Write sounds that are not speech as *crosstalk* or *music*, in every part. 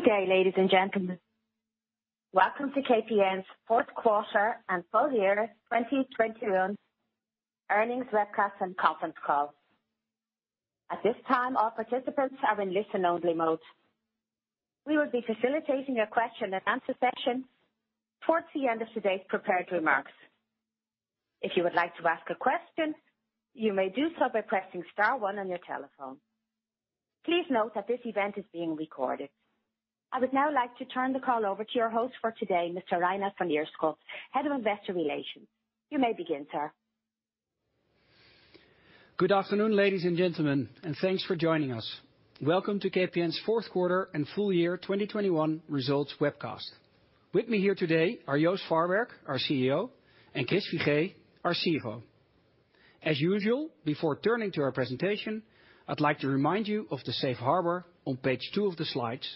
Good day, ladies and gentlemen. Welcome to KPN's fourth quarter and full year 2021 earnings webcast and conference call. At this time, all participants are in listen-only mode. We will be facilitating a question-and-answer session towards the end of today's prepared remarks. If you would like to ask a question, you may do so by pressing star one on your telephone. Please note that this event is being recorded. I would now like to turn the call over to your host for today, Mr. Reinout van Ierschot, Head of Investor Relations. You may begin, sir. Good afternoon, ladies and gentlemen, and thanks for joining us. Welcome to KPN's fourth quarter and full year 2021 results webcast. With me here today are Joost Farwerck, our CEO, and Chris Figee, our CFO. As usual, before turning to our presentation, I'd like to remind you of the safe harbor on Page 2 of the slides,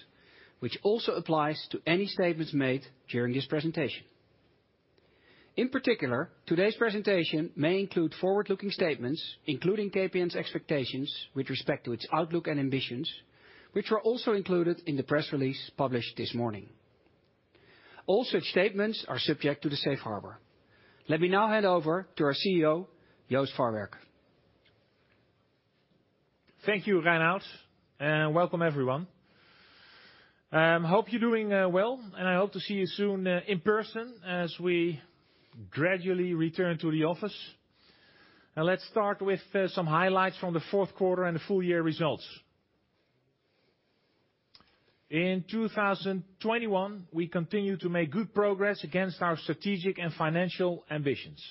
which also applies to any statements made during this presentation. In particular, today's presentation may include forward-looking statements, including KPN's expectations with respect to its outlook and ambitions, which were also included in the press release published this morning. All such statements are subject to the safe harbor. Let me now hand over to our CEO, Joost Farwerck. Thank you, Reinout, and welcome everyone. Hope you're doing well, and I hope to see you soon in person as we gradually return to the office. Now let's start with some highlights from the fourth quarter and the full year results. In 2021, we continued to make good progress against our strategic and financial ambitions.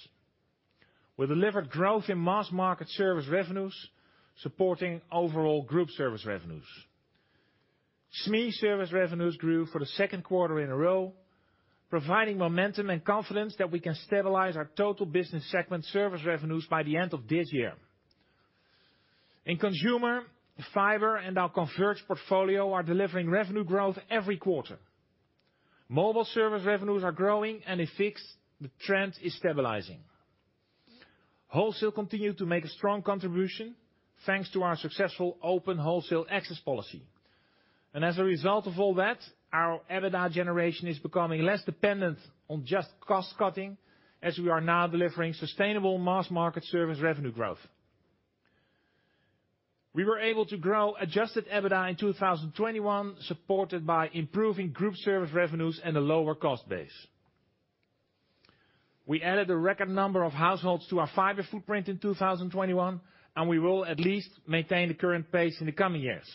We delivered growth in mass market service revenues, supporting overall group service revenues. SME service revenues grew for the second quarter in a row, providing momentum and confidence that we can stabilize our total business segment service revenues by the end of this year. In Consumer, fiber and our converged portfolio are delivering revenue growth every quarter. Mobile service revenues are growing, and in Fixed the trend is stabilizing. Wholesale continued to make a strong contribution, thanks to our successful open wholesale access policy. As a result of all that, our EBITDA generation is becoming less dependent on just cost cutting, as we are now delivering sustainable mass market service revenue growth. We were able to grow adjusted EBITDA in 2021, supported by improving group service revenues and a lower cost base. We added a record number of households to our fiber footprint in 2021, and we will at least maintain the current pace in the coming years.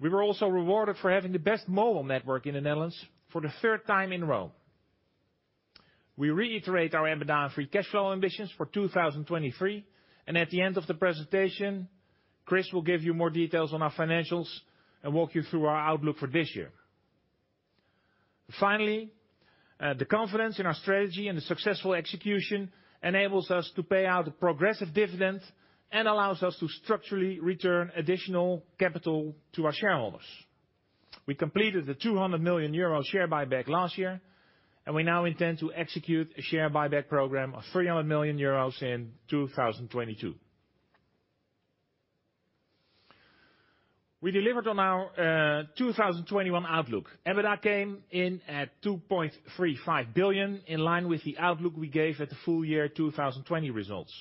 We were also rewarded for having the best mobile network in the Netherlands for the third time in a row. We reiterate our EBITDA and free cash flow ambitions for 2023, and at the end of the presentation, Chris will give you more details on our financials and walk you through our outlook for this year. Finally, the confidence in our strategy and the successful execution enables us to pay out a progressive dividend and allows us to structurally return additional capital to our shareholders. We completed the 200 million euro share buyback last year, and we now intend to execute a share buyback program of 300 million euros in 2022. We delivered on our 2021 outlook. EBITDA came in at 2.35 billion, in line with the outlook we gave at the full year 2020 results.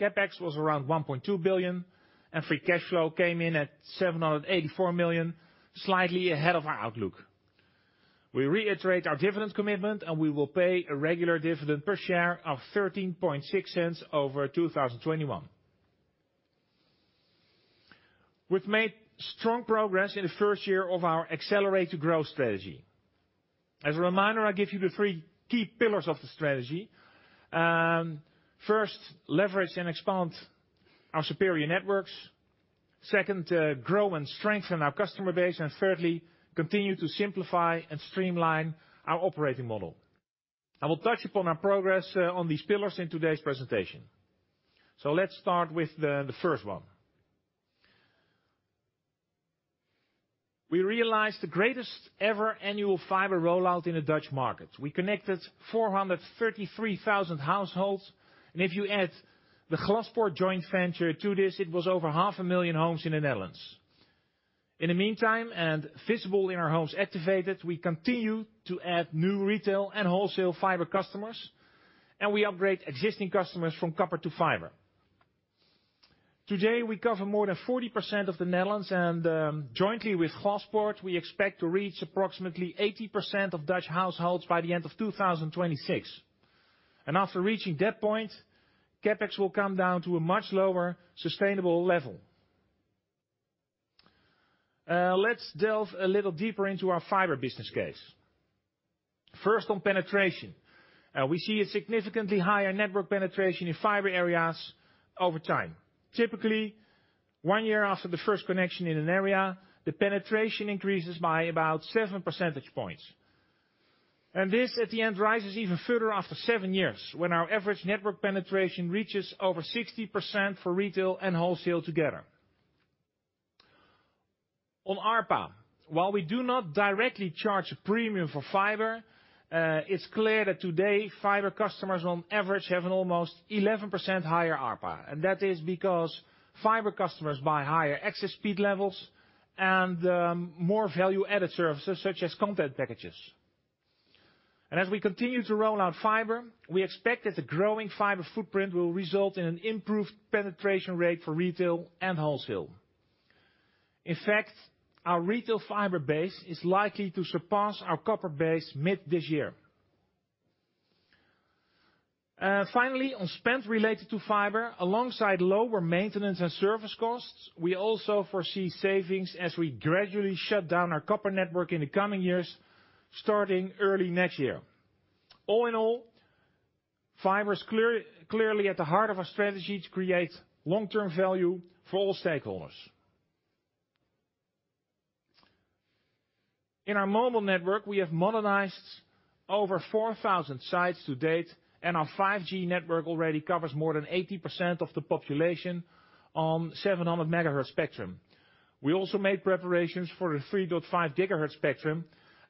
CapEx was around 1.2 billion, and free cash flow came in at 784 million, slightly ahead of our outlook. We reiterate our dividend commitment, and we will pay a regular dividend per share of 0.136 for 2021. We've made strong progress in the first year of our accelerated growth strategy. As a reminder, I give you the three key pillars of the strategy. First, leverage and expand our superior networks. Second, grow and strengthen our customer base. And thirdly, continue to simplify and streamline our operating model. I will touch upon our progress on these pillars in today's presentation. Let's start with the first one. We realized the greatest ever annual fiber rollout in the Dutch market. We connected 433,000 households. If you add the Glaspoort joint venture to this, it was over 500,000 homes in the Netherlands. In the meantime, and visible in our homes activated, we continue to add new retail and wholesale fiber customers, and we upgrade existing customers from copper to fiber. Today, we cover more than 40% of the Netherlands, and jointly with Glaspoort, we expect to reach approximately 80% of Dutch households by the end of 2026. After reaching that point, CapEx will come down to a much lower, sustainable level. Let's delve a little deeper into our fiber business case. First on penetration. We see a significantly higher network penetration in fiber areas over time. Typically, one year after the first connection in an area, the penetration increases by about 7 percentage points. This at the end rises even further after seven years, when our average network penetration reaches over 60% for retail and wholesale together. On ARPA, while we do not directly charge a premium for fiber, it's clear that today, fiber customers on average have an almost 11% higher ARPA. That is because fiber customers buy higher access speed levels and more value added services such as content packages. As we continue to roll out fiber, we expect that the growing fiber footprint will result in an improved penetration rate for retail and wholesale. In fact, our retail fiber base is likely to surpass our copper base mid this year. Finally, on spend related to fiber, alongside lower maintenance and service costs, we also foresee savings as we gradually shut down our copper network in the coming years, starting early next year. All in all, fiber's clearly at the heart of our strategy to create long-term value for all stakeholders. In our mobile network, we have modernized over 4,000 sites to date, and our 5G network already covers more than 80% of the population on 700 MHz spectrum. We also made preparations for a 3.5 GHz spectrum,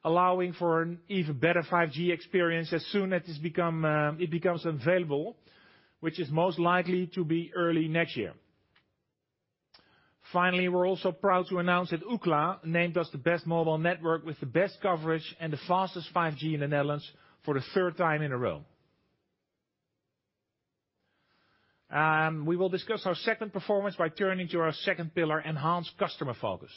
allowing for an even better 5G experience as soon as it becomes available, which is most likely to be early next year. Finally, we're also proud to announce that Ookla named us the Best Mobile Network with the Best Coverage and the Fastest 5G in the Netherlands for the third time in a row. We will discuss our segment performance by turning to our second pillar, enhanced customer focus.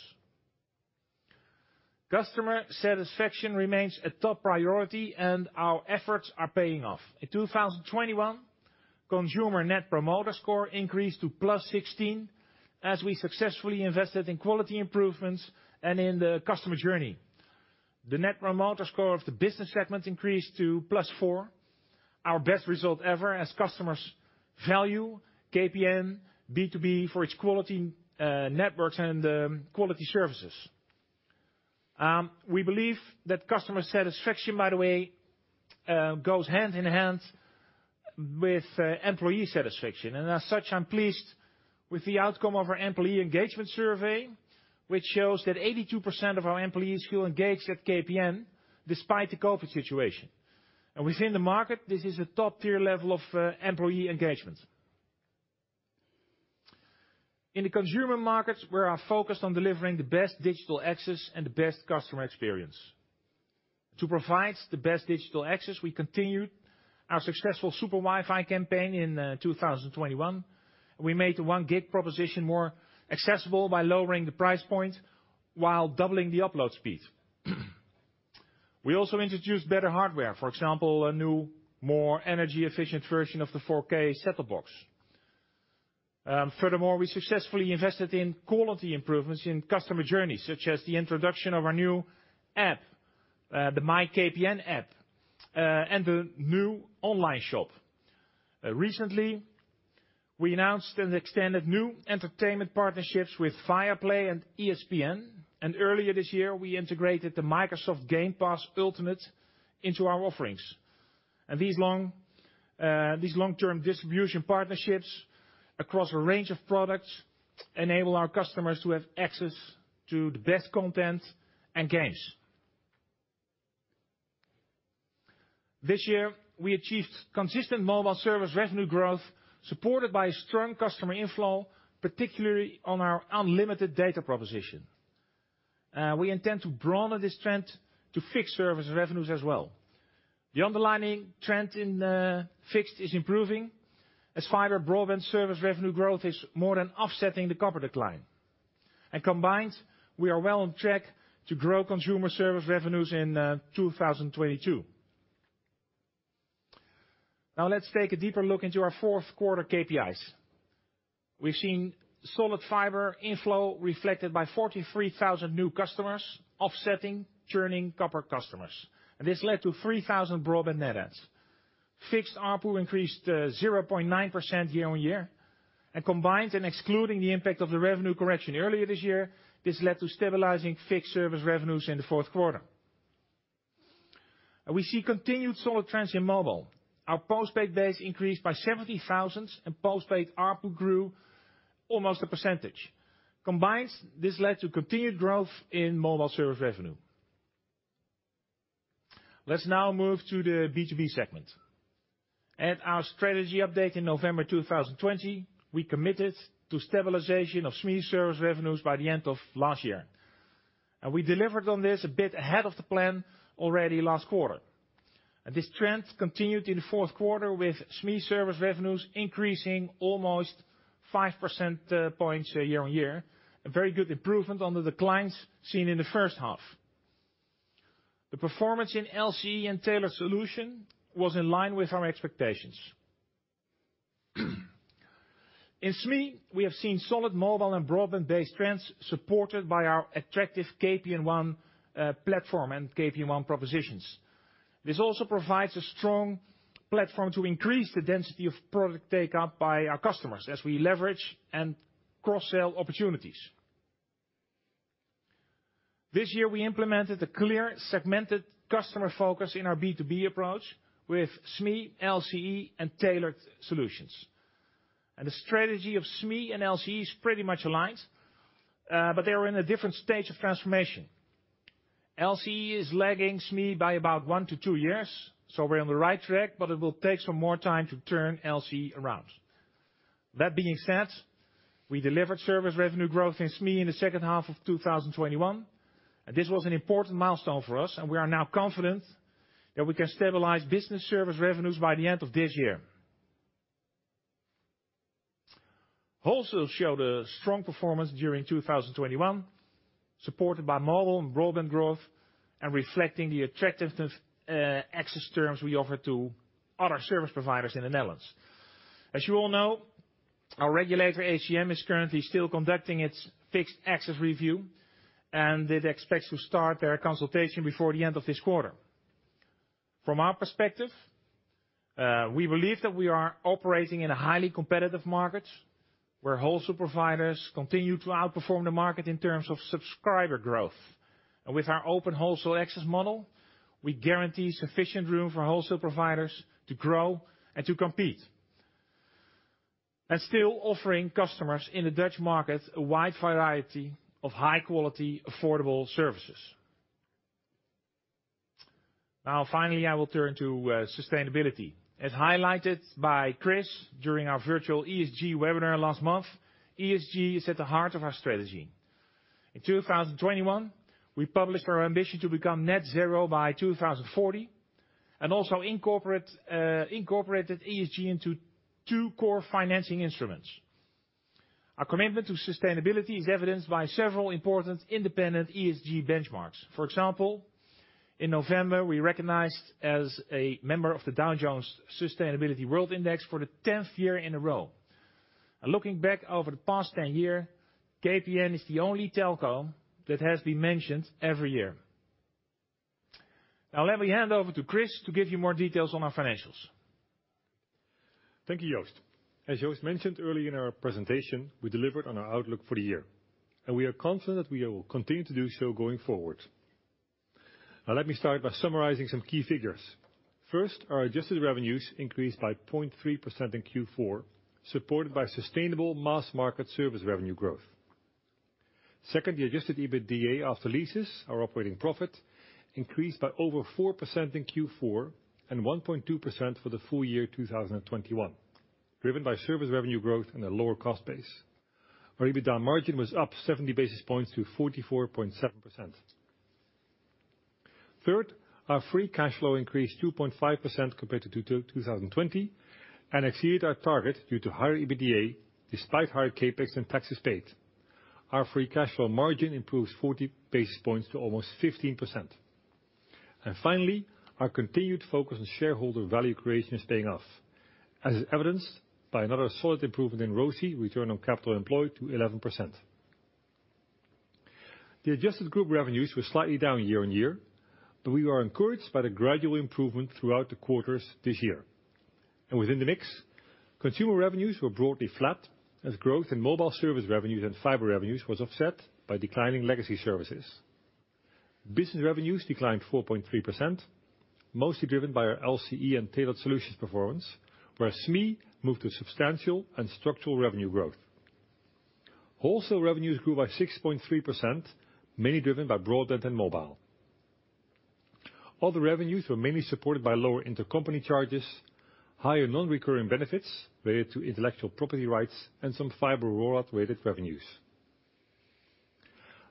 Customer satisfaction remains a top priority, and our efforts are paying off. In 2021, consumer Net Promoter Score increased to +16 as we successfully invested in quality improvements and in the customer journey. The Net Promoter Score of the business segment increased to +4, our best result ever as customers value KPN B2B for its quality networks and quality services. We believe that customer satisfaction, by the way, goes hand in hand with employee satisfaction. As such, I'm pleased with the outcome of our employee engagement survey, which shows that 82% of our employees feel engaged at KPN despite the COVID situation. Within the market, this is a top-tier level of employee engagement. In the consumer markets, we are focused on delivering the best digital access and the best customer experience. To provide the best digital access, we continued our successful SuperWifi campaign in 2021. We made the 1 Gbps proposition more accessible by lowering the price point while doubling the upload speed. We also introduced better hardware, for example, a new, more energy-efficient version of the 4K set-top box. Furthermore, we successfully invested in quality improvements in customer journeys, such as the introduction of our new app, the MyKPN app, and the new online shop. Recently, we announced and extended new entertainment partnerships with Viaplay and ESPN, and earlier this year, we integrated the Microsoft Game Pass Ultimate into our offerings. These long-term distribution partnerships across a range of products enable our customers to have access to the best content and games. This year, we achieved consistent mobile service revenue growth supported by strong customer inflow, particularly on our unlimited data proposition. We intend to broaden this trend to fixed service revenues as well. The underlying trend in fixed is improving as fiber broadband service revenue growth is more than offsetting the copper decline. Combined, we are well on track to grow consumer service revenues in 2022. Now let's take a deeper look into our fourth quarter KPIs. We've seen solid fiber inflow reflected by 43,000 new customers offsetting churning copper customers. This led to 3,000 broadband net adds. Fixed ARPU increased 0.9% year-on-year. Combined and excluding the impact of the revenue correction earlier this year, this led to stabilizing fixed service revenues in the fourth quarter. We see continued solid trends in mobile. Our postpaid base increased by 70,000, and postpaid ARPU grew almost 1%. Combined, this led to continued growth in mobile service revenue. Let's now move to the B2B segment. At our strategy update in November 2020, we committed to stabilization of SME service revenues by the end of last year. We delivered on this a bit ahead of the plan already last quarter. This trend continued in the fourth quarter with SME service revenues increasing almost 5% points year-on-year, a very good improvement on the declines seen in the first half. The performance in LCE and tailored solution was in line with our expectations. In SME, we have seen solid mobile and broadband-based trends supported by our attractive KPN ONE platform and KPN ONE propositions. This also provides a strong platform to increase the density of product take-up by our customers as we leverage and cross-sell opportunities. This year, we implemented a clear segmented customer focus in our B2B approach with SME, LCE, and tailored solutions. The strategy of SME and LCE is pretty much aligned, but they are in a different stage of transformation. LCE is lagging SME by about one to two years, so we're on the right track, but it will take some more time to turn LCE around. That being said, we delivered service revenue growth in SME in the second half of 2021. This was an important milestone for us, and we are now confident that we can stabilize business service revenues by the end of this year. Wholesale showed a strong performance during 2021, supported by mobile and broadband growth and reflecting the attractiveness, access terms we offer to other service providers in the Netherlands. As you all know, our regulator, ACM, is currently still conducting its fixed access review, and it expects to start their consultation before the end of this quarter. From our perspective, we believe that we are operating in a highly competitive market, where wholesale providers continue to outperform the market in terms of subscriber growth. With our open wholesale access model, we guarantee sufficient room for wholesale providers to grow and to compete, still offering customers in the Dutch market a wide variety of high quality, affordable services. Now finally, I will turn to sustainability. As highlighted by Chris during our virtual ESG webinar last month, ESG is at the heart of our strategy. In 2021, we published our ambition to become net zero by 2040, and incorporated ESG into two core financing instruments. Our commitment to sustainability is evidenced by several important independent ESG benchmarks. For example, in November, we were recognized as a member of the Dow Jones Sustainability World Index for the 10th year in a row. Looking back over the past 10 years, KPN is the only telco that has been mentioned every year. Now let me hand over to Chris to give you more details on our financials. Thank you, Joost. As Joost mentioned earlier in our presentation, we delivered on our outlook for the year. We are confident we will continue to do so going forward. Now let me start by summarizing some key figures. First, our adjusted revenues increased by 0.3% in Q4, supported by sustainable mass market service revenue growth. Second, the adjusted EBITDA after leases, our operating profit, increased by over 4% in Q4, and 1.2% for the full year 2021, driven by service revenue growth and a lower cost base. Our EBITDA margin was up 70 basis points to 44.7%. Third, our free cash flow increased 2.5% compared to 2020, and exceeded our target due to higher EBITDA despite higher CapEx and taxes paid. Our free cash flow margin improves 40 basis points to almost 15%. Finally, our continued focus on shareholder value creation is paying off, as is evidenced by another solid improvement in ROCE, return on capital employed, to 11%. The adjusted group revenues were slightly down year-on-year, but we are encouraged by the gradual improvement throughout the quarters this year. Within the mix, consumer revenues were broadly flat as growth in mobile service revenues and fiber revenues was offset by declining legacy services. Business revenues declined 4.3%, mostly driven by our LCE and tailored solutions performance, whereas SME moved to substantial and structural revenue growth. Wholesale revenues grew by 6.3%, mainly driven by broadband and mobile. Other revenues were mainly supported by lower intercompany charges, higher non-recurring benefits related to intellectual property rights, and some fiber rollout-related revenues.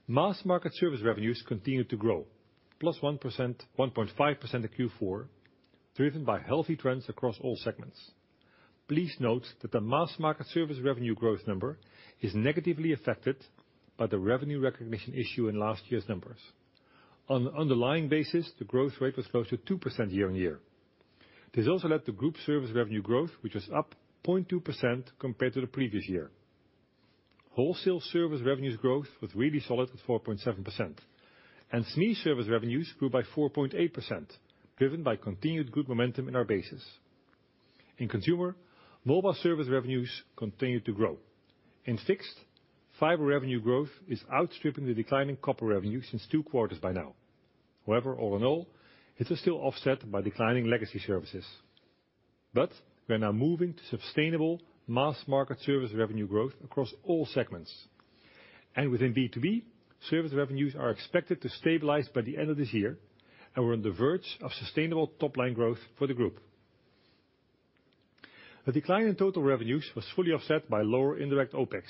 Mass market service revenues continued to grow +1%, 1.5% in Q4, driven by healthy trends across all segments. Please note that the mass market service revenue growth number is negatively affected by the revenue recognition issue in last year's numbers. On an underlying basis, the growth rate was close to 2% year-over-year. This also led to group service revenue growth, which was up 0.2% compared to the previous year. Wholesale service revenues growth was really solid at 4.7%, and SME service revenues grew by 4.8%, driven by continued good momentum in our bases. In consumer, mobile service revenues continued to grow. In fixed, fiber revenue growth is outstripping the declining copper revenue since two quarters by now. However, all in all, it is still offset by declining legacy services. We are now moving to sustainable mass market service revenue growth across all segments. Within B2B, service revenues are expected to stabilize by the end of this year, and we're on the verge of sustainable top-line growth for the group. A decline in total revenues was fully offset by lower indirect OpEx,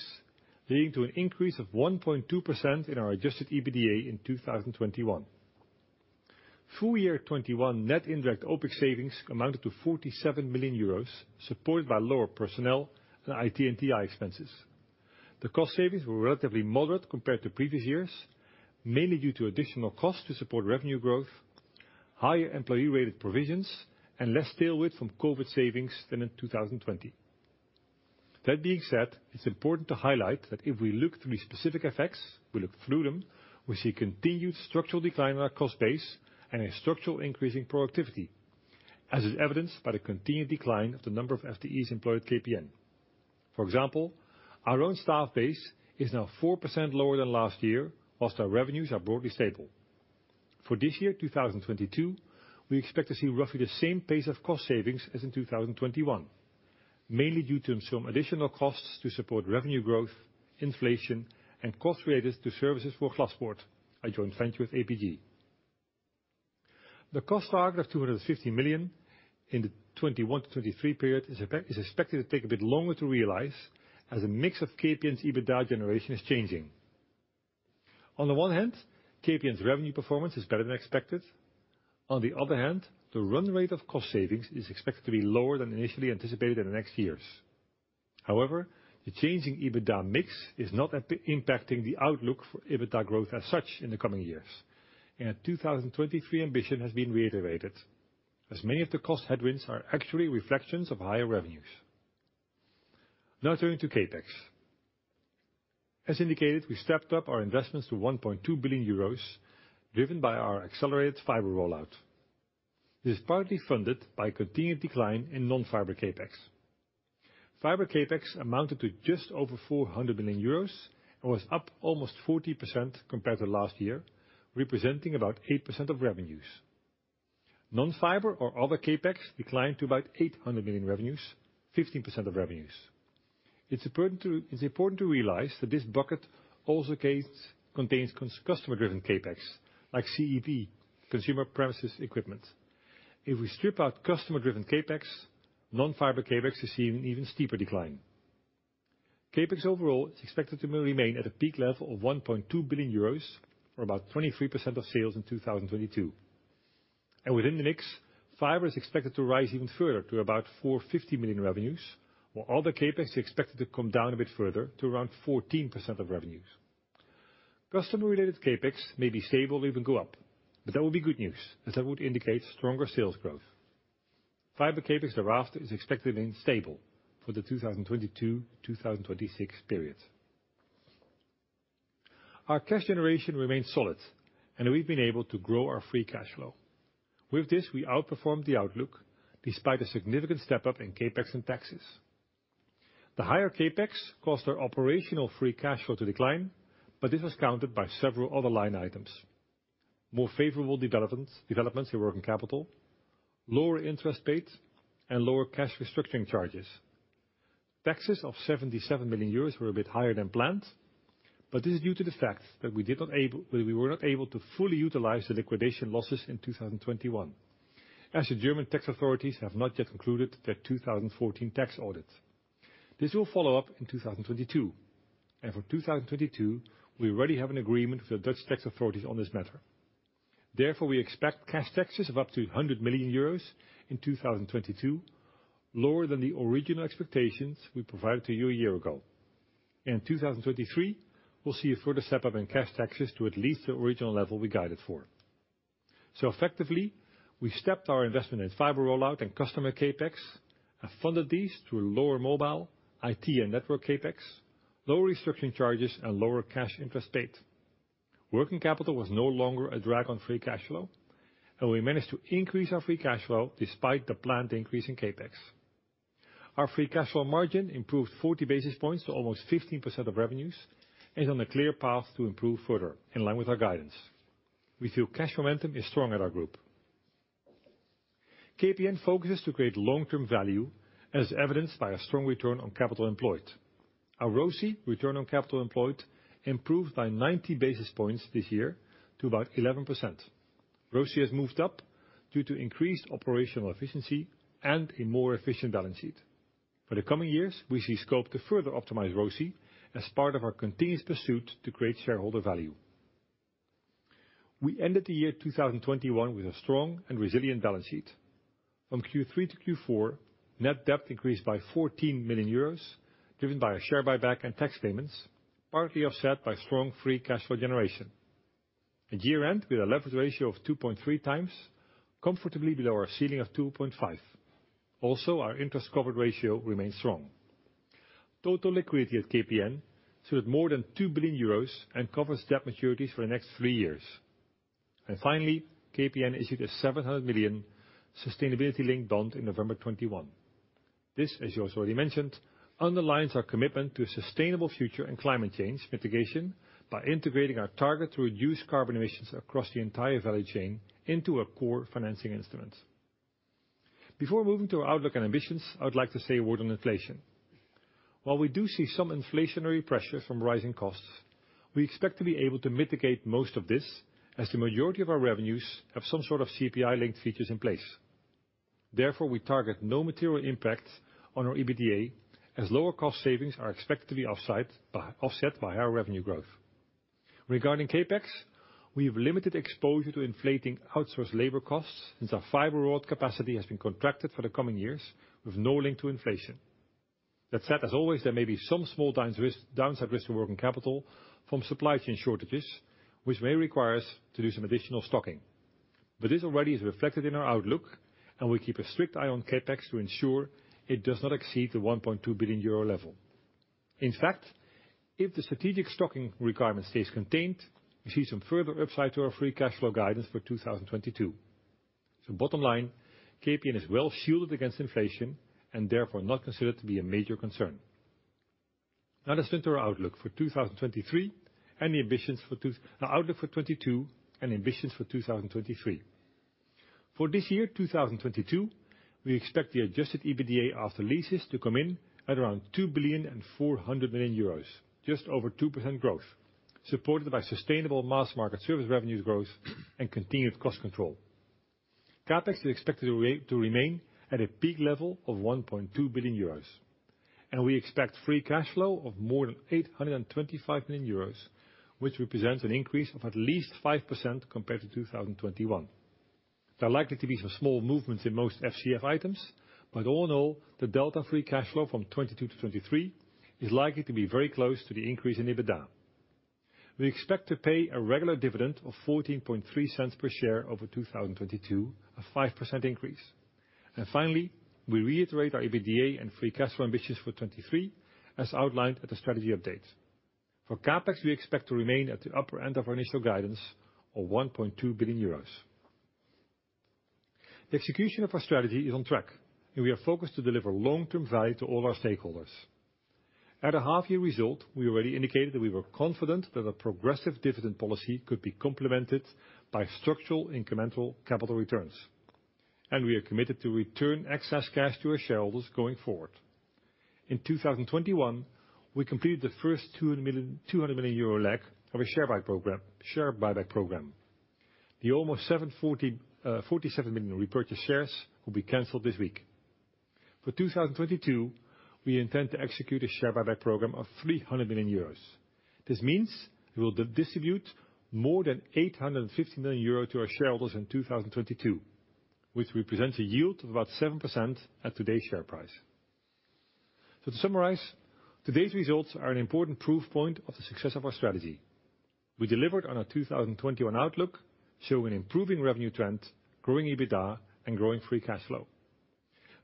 leading to an increase of 1.2% in our adjusted EBITDA in 2021. Full year 2021 net indirect OpEx savings amounted to 47 million euros, supported by lower personnel and IT and TI expenses. The cost savings were relatively moderate compared to previous years, mainly due to additional costs to support revenue growth, higher employee-related provisions, and less tailwind from COVID savings than in 2020. That being said, it's important to highlight that if we look through the specific effects, we look through them, we see continued structural decline in our cost base and a structural increase in productivity, as is evidenced by the continued decline of the number of FTEs employed KPN. For example, our own staff base is now 4% lower than last year, while our revenues are broadly stable. For this year, 2022, we expect to see roughly the same pace of cost savings as in 2021, mainly due to some additional costs to support revenue growth, inflation, and costs related to services for Glaspoort, a joint venture with APG. The cost target of 250 million in the 2021 to 2023 period is expected to take a bit longer to realize as a mix of KPN's EBITDA generation is changing. On the one hand, KPN's revenue performance is better than expected. On the other hand, the run rate of cost savings is expected to be lower than initially anticipated in the next years. However, the change in EBITDA mix is not impacting the outlook for EBITDA growth as such in the coming years. Our 2023 ambition has been reiterated, as many of the cost headwinds are actually reflections of higher revenues. Now turning to CapEx. As indicated, we stepped up our investments to 1.2 billion euros, driven by our accelerated fiber rollout. This is partly funded by a continued decline in non-fiber CapEx. Fiber CapEx amounted to just over 400 million euros and was up almost 40% compared to last year, representing about 8% of revenues. Non-fiber or other CapEx declined to about 800 million, 15% of revenues. It's important to realize that this bucket also contains customer-driven CapEx, like CPE, consumer premises equipment. If we strip out customer-driven CapEx, non-fiber CapEx has seen an even steeper decline. CapEx overall is expected to remain at a peak level of 1.2 billion euros or about 23% of sales in 2022. Within the mix, fiber is expected to rise even further to about 450 million, while other CapEx is expected to come down a bit further to around 14% of revenues. Customer-related CapEx may be stable or even go up, but that would be good news as that would indicate stronger sales growth. Fiber CapEx thereafter is expected to remain stable for the 2022-2026 period. Our cash generation remains solid, and we've been able to grow our free cash flow. With this, we outperformed the outlook despite a significant step up in CapEx and taxes. The higher CapEx caused our operational free cash flow to decline, but this was countered by several other line items. More favorable developments in working capital, lower interest paid, and lower cash restructuring charges. Taxes of 77 million euros were a bit higher than planned, but this is due to the fact that we were not able to fully utilize the liquidation losses in 2021, as the German tax authorities have not yet concluded their 2014 tax audit. This will follow up in 2022. For 2022, we already have an agreement with the Dutch tax authorities on this matter. Therefore, we expect cash taxes of up to 100 million euros in 2022, lower than the original expectations we provided to you a year ago. In 2023, we'll see a further step up in cash taxes to at least the original level we guided for. Effectively, we stepped our investment in fiber rollout and customer CapEx and funded these through lower mobile, IT, and network CapEx, lower restructuring charges, and lower cash interest paid. Working capital was no longer a drag on free cash flow, and we managed to increase our free cash flow despite the planned increase in CapEx. Our free cash flow margin improved 40 basis points to almost 15% of revenues and on a clear path to improve further, in line with our guidance. We feel cash momentum is strong at our group. KPN focuses to create long-term value, as evidenced by a strong return on capital employed. Our ROCE, return on capital employed, improved by 90 basis points this year to about 11%. ROCE has moved up due to increased operational efficiency and a more efficient balance sheet. For the coming years, we see scope to further optimize ROCE as part of our continuous pursuit to create shareholder value. We ended the year 2021 with a strong and resilient balance sheet. From Q3 to Q4, net debt increased by 14 million euros, driven by our share buyback and tax payments, partly offset by strong free cash flow generation. At year-end, we had a leverage ratio of 2.3x, comfortably below our ceiling of 2.5x. Also, our interest coverage ratio remains strong. Total liquidity at KPN stood at more than 2 billion euros and covers debt maturities for the next three years. Finally, KPN issued a 700 million sustainability-linked bond in November 2021. This, as Joost already mentioned, underlines our commitment to a sustainable future and climate change mitigation by integrating our target to reduce carbon emissions across the entire value chain into a core financing instrument. Before moving to our outlook and ambitions, I would like to say a word on inflation. While we do see some inflationary pressure from rising costs, we expect to be able to mitigate most of this, as the majority of our revenues have some sort of CPI-linked features in place. Therefore, we target no material impact on our EBITDA, as lower cost savings are expected to be offset by our revenue growth. Regarding CapEx, we have limited exposure to inflating outsourced labor costs since our fiber world capacity has been contracted for the coming years with no link to inflation. That said, as always, there may be some small downside risk to working capital from supply chain shortages, which may require us to do some additional stocking. This already is reflected in our outlook, and we keep a strict eye on CapEx to ensure it does not exceed the 1.2 billion euro level. In fact, if the strategic stocking requirement stays contained, we see some further upside to our free cash flow guidance for 2022. Bottom line, KPN is well shielded against inflation and therefore not considered to be a major concern. Now let's turn to our outlook for 2022 and ambitions for 2023. For this year, 2022, we expect the adjusted EBITDA after leases to come in at around 2.4 billion, just over 2% growth. Supported by sustainable mass market service revenues growth and continued cost control. CapEx is expected to remain at a peak level of 1.2 billion euros. We expect free cash flow of more than 825 million euros, which represents an increase of at least 5% compared to 2021. There are likely to be some small movements in most FCF items, but all in all, the delta free cash flow from 2022 to 2023 is likely to be very close to the increase in EBITDA. We expect to pay a regular dividend of 0.143 per share over 2022, a 5% increase. Finally, we reiterate our EBITDA and free cash flow ambitions for 2023 as outlined at the strategy update. For CapEx, we expect to remain at the upper end of our initial guidance of 1.2 billion euros. The execution of our strategy is on track, and we are focused to deliver long-term value to all our stakeholders. At a half year result, we already indicated that we were confident that a progressive dividend policy could be complemented by structural incremental capital returns. We are committed to return excess cash to our shareholders going forward. In 2021, we completed the first 200 million euro leg of a share buyback program. The almost 747 million repurchased shares will be canceled this week. For 2022, we intend to execute a share buyback program of 300 million euros. This means we will distribute more than 850 million euros to our shareholders in 2022, which represents a yield of about 7% at today's share price. To summarize, today's results are an important proof point of the success of our strategy. We delivered on our 2021 outlook, showing improving revenue trend, growing EBITDA and growing free cash flow.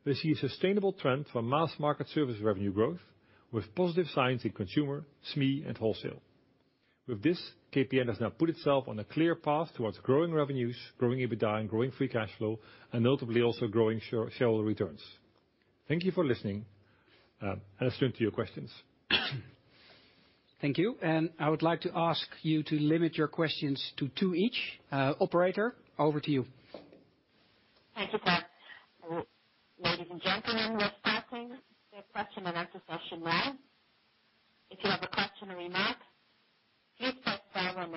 We see a sustainable trend for mass market service revenue growth with positive signs in consumer, SME, and wholesale. With this, KPN has now put itself on a clear path towards growing revenues, growing EBITDA, and growing free cash flow, and notably also growing share, shareholder returns. Thank you for listening. Let's turn to your questions. Thank you. I would like to ask you to limit your questions to two each. Operator, over to you. *audio distortion* *audio distortion* I'm gonna put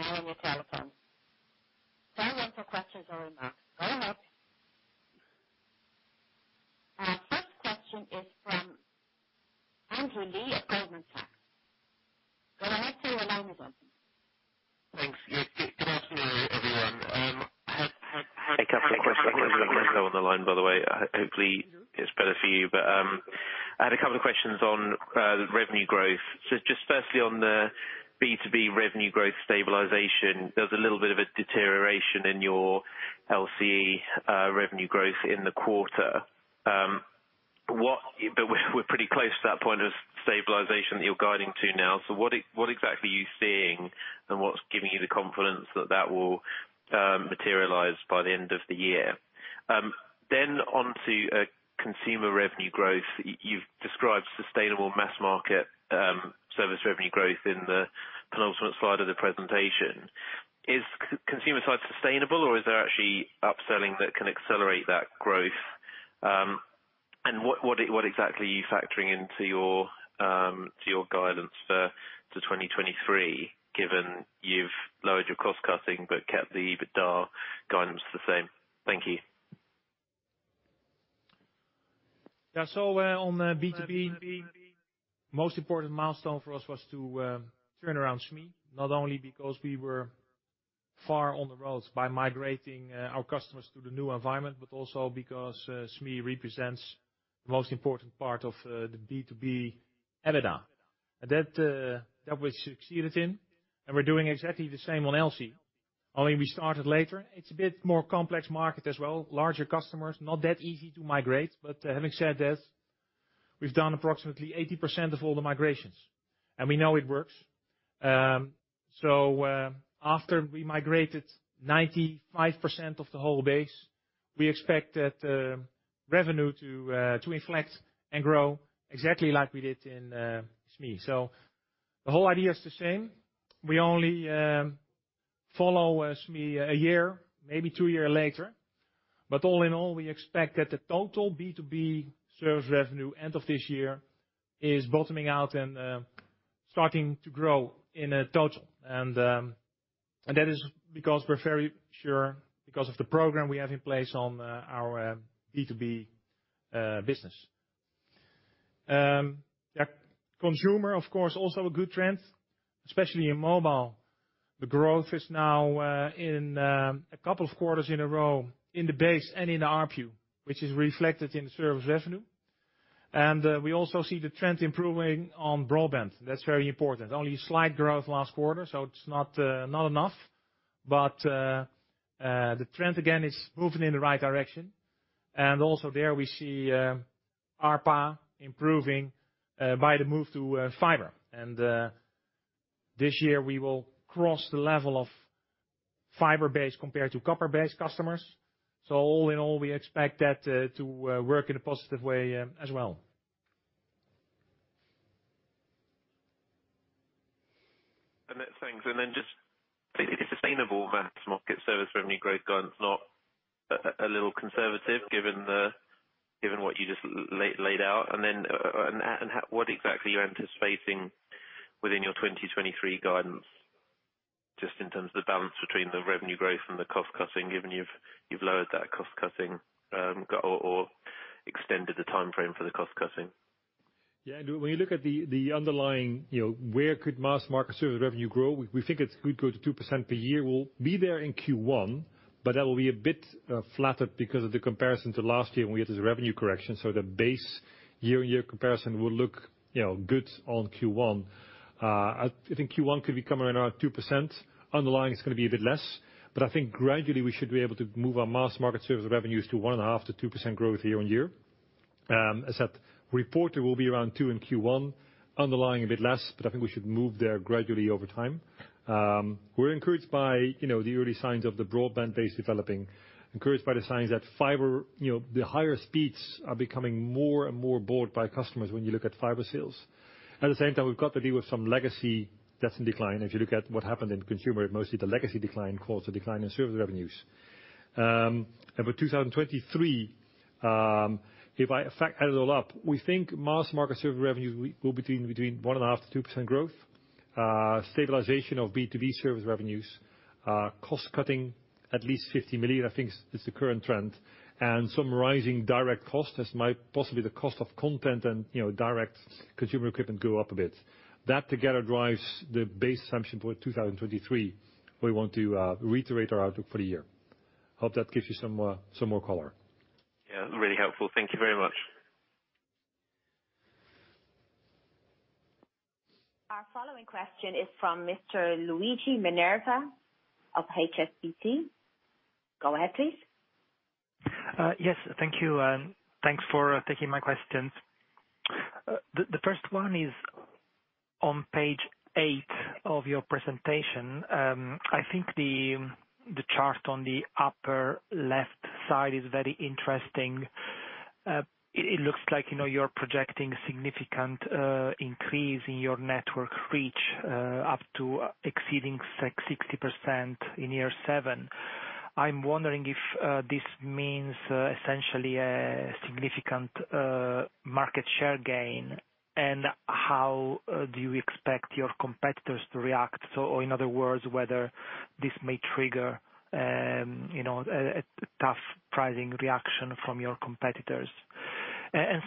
myself on the line, by the way. Hopefully it's better for you. I had a couple of questions on the revenue growth. Just firstly on the B2B revenue growth stabilization, there was a little bit of a deterioration in your LCE revenue growth in the quarter. We're pretty close to that point of stabilization that you're guiding to now. What exactly are you seeing, and what's giving you the confidence that that will materialize by the end of the year? Onto consumer revenue growth. You've described sustainable mass market service revenue growth in the penultimate slide of the presentation. Is consumer side sustainable, or is there actually upselling that can accelerate that growth? What exactly are you factoring into your guidance for 2023, given you've lowered your cost cutting but kept the EBITDA guidance the same? Thank you. Yeah. On the B2B, most important milestone for us was to turn around SME. Not only because we were far along the road by migrating our customers to the new environment, but also because SME represents the most important part of the B2B EBITDA. We succeeded in that, and we're doing exactly the same on LCE. Only we started later. It's a bit more complex market as well. Larger customers, not that easy to migrate. But having said that, we've done approximately 80% of all the migrations, and we know it works. After we migrated 95% of the whole base, we expect that revenue to inflect and grow exactly like we did in SME. The whole idea is the same. We only follow SME a year, maybe two years later. All in all, we expect that the total B2B service revenue end of this year is bottoming out and starting to grow in total. That is because we're very sure because of the program we have in place on our B2B business. Consumer, of course, also a good trend, especially in mobile. The growth is now in a couple of quarters in a row in the base and in ARPU, which is reflected in the service revenue. We also see the trend improving on broadband. That's very important. Only slight growth last quarter, so it's not enough. The trend again is moving in the right direction. Also there we see ARPA improving by the move to fiber. This year we will cross the level of fiber-based compared to copper-based customers. All in all, we expect that to work in a positive way, as well. And th-thanks. And then just- Is the sustainable mass market service revenue growth guidance not a little conservative given what you just laid out? What exactly are you anticipating within your 2023 guidance, just in terms of the balance between the revenue growth and the cost cutting, given you've lowered that cost cutting or extended the timeframe for the cost cutting? Yeah. When you look at the underlying, you know, where could mass market service revenue grow? We think it's good growth of 2% per year. We'll be there in Q1, but that will be a bit flattered because of the comparison to last year when we had this revenue correction. The base year-on-year comparison will look, you know, good on Q1. I think Q1 could be coming around 2%. Underlying is gonna be a bit less, but I think gradually we should be able to move our mass market service revenues to 1.5%-2% growth year-on-year. As I said, reported will be around 2% in Q1, underlying a bit less, but I think we should move there gradually over time. We're encouraged by, you know, the early signs of the broadband base developing, encouraged by the signs that fiber, you know, the higher speeds are becoming more and more bought by customers when you look at fiber sales. At the same time, we've got to deal with some legacy that's in decline. If you look at what happened in consumer, mostly the legacy decline caused the decline in service revenues. For 2023, if I in fact add it all up, we think mass market service revenues will be between 1.5%-2% growth. Stabilization of B2B service revenues, cost cutting at least 50 million, I think is the current trend. Some rising direct costs as might possibly the cost of content and, you know, direct consumer equipment go up a bit. That together drives the base assumption for 2023. We want to reiterate our outlook for the year. Hope that gives you some more color. Yeah, really helpful. Thank you very much. Our following question is from Mr. Luigi Minerva of HSBC. Go ahead, please. Yes, thank you. Thanks for taking my questions. The first one is on Page 8 of your presentation. I think the chart on the upper left side is very interesting. It looks like, you know, you're projecting significant increase in your network reach up to exceeding 60% in year seven. I'm wondering if this means essentially a significant market share gain, and how do you expect your competitors to react? Or in other words, whether this may trigger, you know, a tough pricing reaction from your competitors?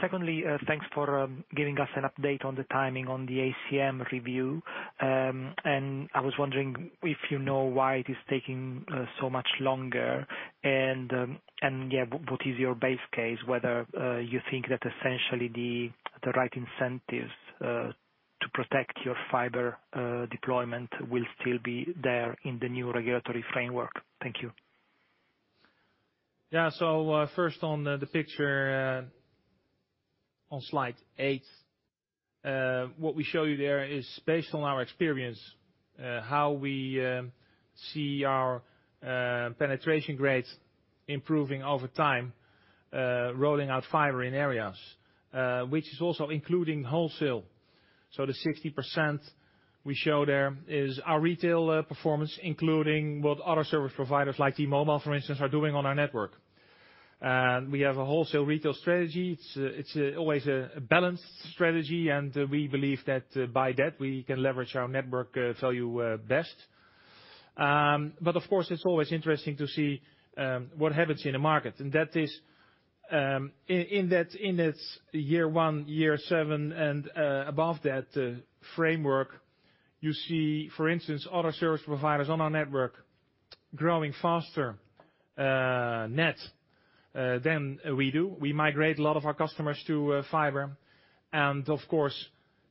Secondly, thanks for giving us an update on the timing on the ACM review. I was wondering if you know why it is taking so much longer? What is your base case, whether you think that essentially the right incentives to protect your fiber deployment will still be there in the new regulatory framework? Thank you. Yeah. First on the picture on Slide 8, what we show you there is based on our experience, how we see our penetration rates improving over time, rolling out fiber in areas, which is also including wholesale. The 60% we show there is our retail performance, including what other service providers, like T-Mobile, for instance, are doing on our network. We have a wholesale retail strategy. It's always a balanced strategy, and we believe that by that, we can leverage our network value best. But of course, it's always interesting to see what happens in a market. That is, in that, in its year one, year seven, and above that framework, you see, for instance, other service providers on our network growing faster, net than we do. We migrate a lot of our customers to fiber and of course,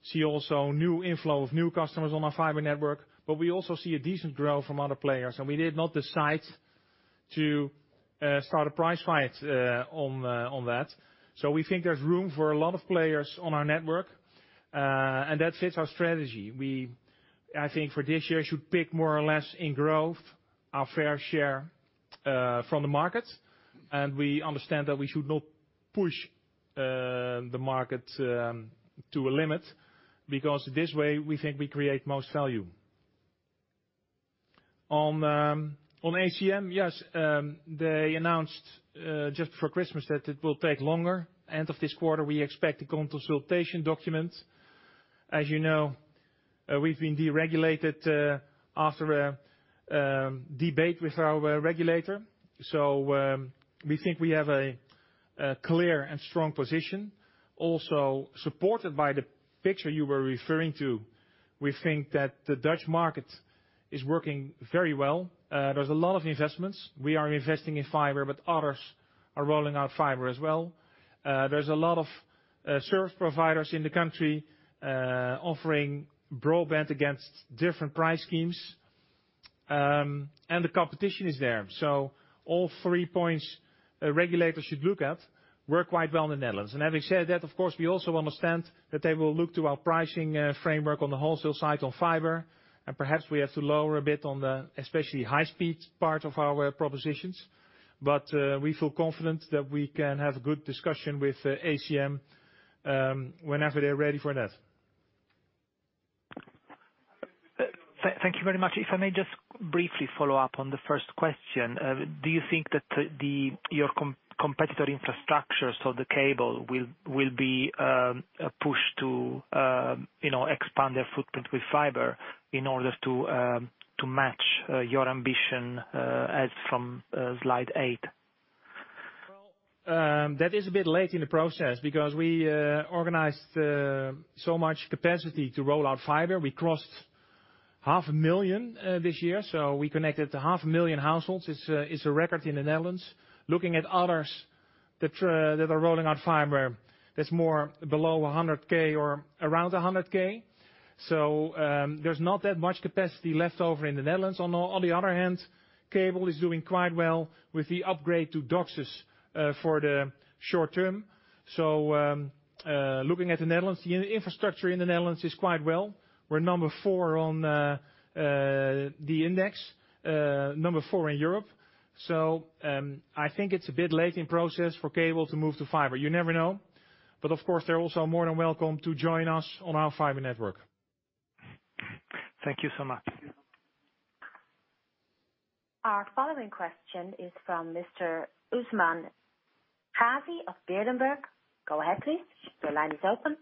see also new inflow of new customers on our fiber network. We also see a decent growth from other players, and we did not decide to start a price fight on that. We think there's room for a lot of players on our network, and that fits our strategy. I think for this year, we should pick more or less in growth our fair share from the market. We understand that we should not push the market to a limit because this way we think we create most value. On ACM, yes, they announced just before Christmas that it will take longer. End of this quarter, we expect a consultation document. As you know, we've been deregulated after a debate with our regulator. We think we have a clear and strong position, also supported by the picture you were referring to. We think that the Dutch market is working very well. There's a lot of investments. We are investing in fiber, but others are rolling out fiber as well. There's a lot of service providers in the country offering broadband against different price schemes, and the competition is there. All three points a regulator should look at work quite well in the Netherlands. Having said that, of course, we also understand that they will look to our pricing framework on the wholesale side on fiber, and perhaps we have to lower a bit on the especially high speed part of our propositions, but we feel confident that we can have good discussion with ACM, whenever they're ready for that. Thank you very much. If I may just briefly follow up on the first question. Do you think that your competitor infrastructure, so the cable, will be pushed to expand their footprint with fiber in order to match your ambition as from slide 8? Well, that is a bit late in the process because we organized so much capacity to roll out fiber. We crossed 500,000 this year. We connected 500,000 households. It's a record in the Netherlands. Looking at others that are rolling out fiber, that's more below 100,000 or around 100,000. There's not that much capacity left over in the Netherlands. On the other hand, cable is doing quite well with the upgrade to DOCSIS for the short term. Looking at the Netherlands, the infrastructure in the Netherlands is quite well. We're number four on the index. Number four in Europe. I think it's a bit late in process for cable to move to fiber. You never know, but of course, they're also more than welcome to join us on our fiber network. Thank you so much. Our following question is from Mr. Usman Ghazi of Berenberg. Go ahead, please. Your line is open.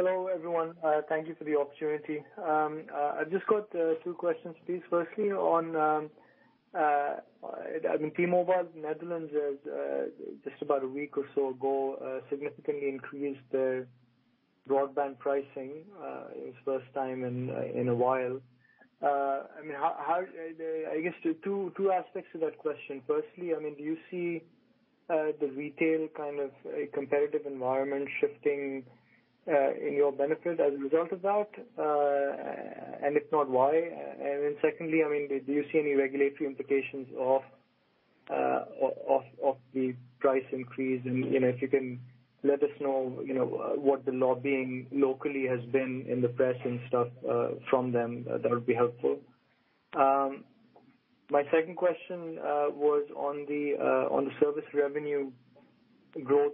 Hello, everyone. Thank you for the opportunity. I've just got two questions, please. Firstly, on, I mean, T-Mobile Netherlands, just about a week or so ago, significantly increased their broadband pricing, it's first time in a while. I mean, I guess two aspects to that question. Firstly, I mean, do you see the retail kind of competitive environment shifting in your benefit as a result of that? If not, why? Secondly, I mean, do you see any regulatory implications of the price increase? You know, if you can let us know, you know, what the lobbying locally has been in the press and stuff from them? That would be helpful. My second question was on the service revenue growth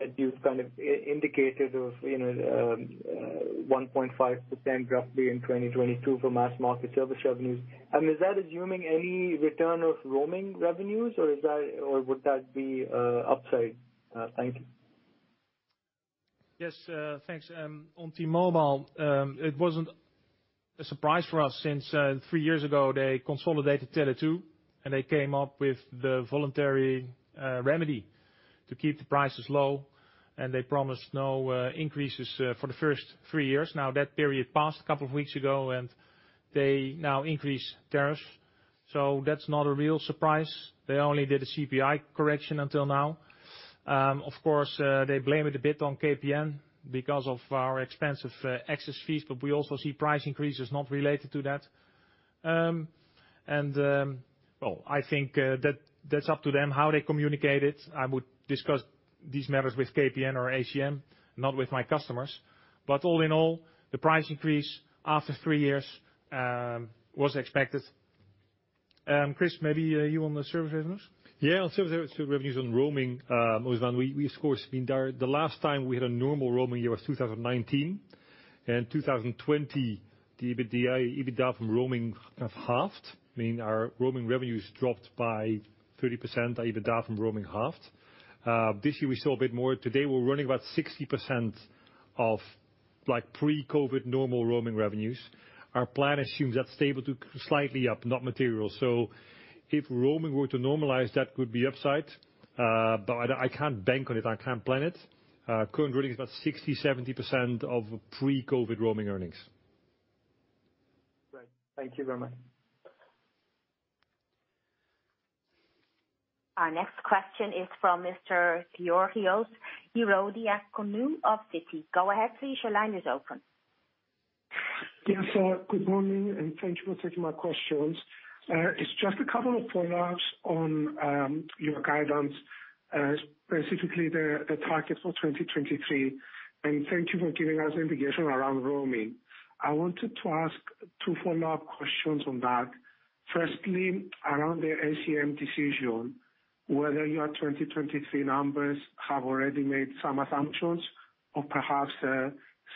that you kind of indicated, you know, 1.5% roughly in 2022 for mass market service revenues. I mean, is that assuming any return of roaming revenues, or is that, or would that be upside? Thank you. Yes, thanks. On T-Mobile, it wasn't a surprise for us since three years ago, they consolidated Tele2, and they came up with the voluntary remedy to keep the prices low, and they promised no increases for the first three years. Now, that period passed a couple of weeks ago, and they now increase tariffs. That's not a real surprise. They only did a CPI correction until now. Of course, they blame it a bit on KPN because of our expensive access fees, but we also see price increases not related to that. Well, I think that's up to them how they communicate it. I would discuss these matters with KPN or ACM, not with my customers. All in all, the price increase after three years was expected. Chris, maybe, you on the service revenues? Yeah, on service revenues on roaming, Usman, we of course I mean, the last time we had a normal roaming year was 2019. In 2020, the EBITDA from roaming have halved, meaning our roaming revenues dropped by 30%. Our EBITDA from roaming halved. This year we saw a bit more. Today, we're running about 60% of like pre-COVID normal roaming revenues. Our plan assumes that's stable to slightly up, not material. If roaming were to normalize, that could be upside, but I can't bank on it. I can't plan it. Current reading is about 60%-70% of pre-COVID roaming earnings. Great. Thank you very much. Our next question is from Mr. Georgios Ierodiaconou of Citi. Go ahead, please. Your line is open. Yes. Good morning, and thank you for taking my questions. It's just a couple of follow-ups on your guidance, specifically the target for 2023. Thank you for giving us indication around roaming. I wanted to ask two follow-up questions on that. Firstly, around the ACM decision, whether your 2023 numbers have already made some assumptions or perhaps a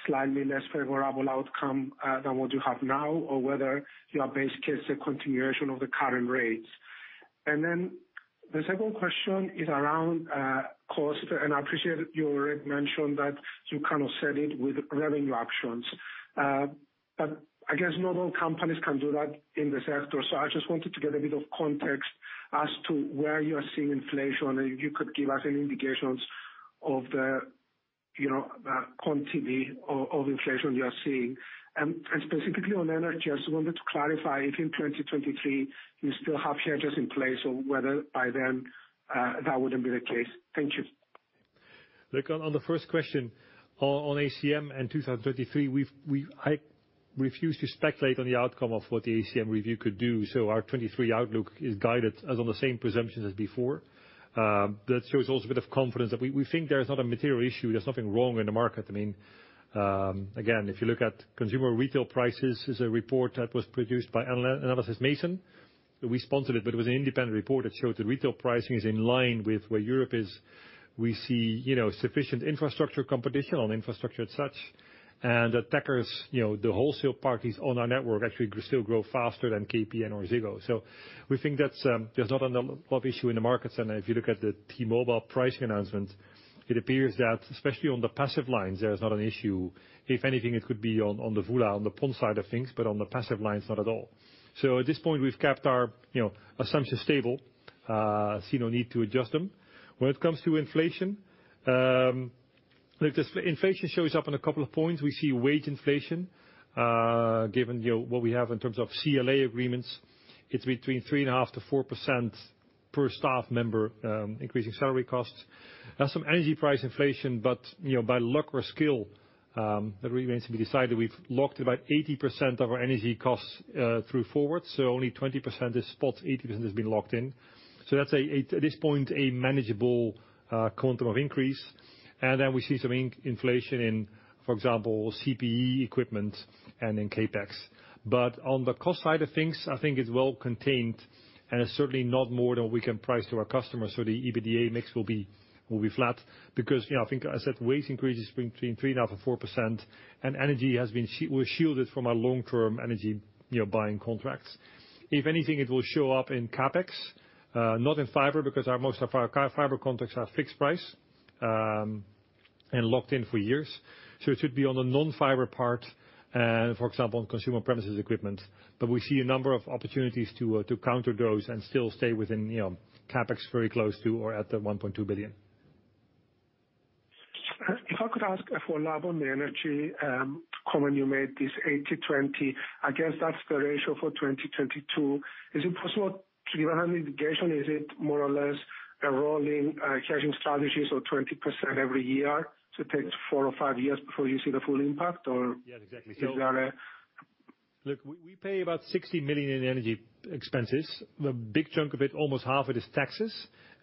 slightly less favorable outcome than what you have now or whether your base case is a continuation of the current rates? Then the second question is around cost, and I appreciate you already mentioned that you kind of said it with revenue options. But I guess not all companies can do that in the sector. I just wanted to get a bit of context as to where you are seeing inflation, and if you could give us any indications of the, you know, the quantity of inflation you are seeing? Specifically on energy, I just wanted to clarify if in 2023 you still have hedges in place or whether by then, that wouldn't be the case? Thank you. Look, on the first question, on ACM and 2023, I refuse to speculate on the outcome of what the ACM review could do. Our 2023 outlook is guided as on the same presumptions as before. That shows also a bit of confidence that we think there is not a material issue. There's nothing wrong in the market. I mean, again, if you look at consumer retail prices, there's a report that was produced by Analysys Mason. We sponsored it, but it was an independent report that showed that retail pricing is in line with where Europe is. We see, you know, sufficient infrastructure competition on infrastructure and such. That Youfone, you know, the wholesale parties on our network actually still grow faster than KPN or Ziggo. We think that's, there's not another issue in the market. If you look at the T-Mobile pricing announcement, it appears that especially on the passive lines, there's not an issue. If anything, it could be on the VULA, on the PON side of things, but on the passive lines, not at all. At this point, we've kept our, you know, assumptions stable, see no need to adjust them. When it comes to inflation, if this inflation shows up on a couple of points, we see wage inflation, given, you know, what we have in terms of CLA agreements. It's between 3.5%-4% per staff member, increasing salary costs. There's some energy price inflation, but, you know, by luck or skill, that remains to be decided. We've locked about 80% of our energy costs through forward. Only 20% is spot, 80% has been locked in. That's at this point a manageable quantum of increase. Then we see some inflation in, for example, CPE equipment and in CapEx. But on the cost side of things, I think it's well contained and it's certainly not more than we can price to our customers. The EBITDA mix will be flat because, you know, I think I said wage increases between 3.5%-4%, and energy has been we're shielded from our long-term energy, you know, buying contracts. If anything, it will show up in CapEx, not in fiber, because most of our fiber contracts are fixed price and locked in for years. It should be on the non-fiber part, for example, in consumer premises equipment. We see a number of opportunities to counter those and still stay within CapEx, very close to or at 1.2 billion. If I could ask for elaboration on the energy comment you made, this 80/20, I guess that's the ratio for 2022. Is it possible to give an indication? Is it more or less a rolling phasing strategies or 20% every year to take four or five years before you see the full impact or? Yeah, exactly. Is there a? Look, we pay about 60 million in energy expenses. The big chunk of it, almost half of it is taxes,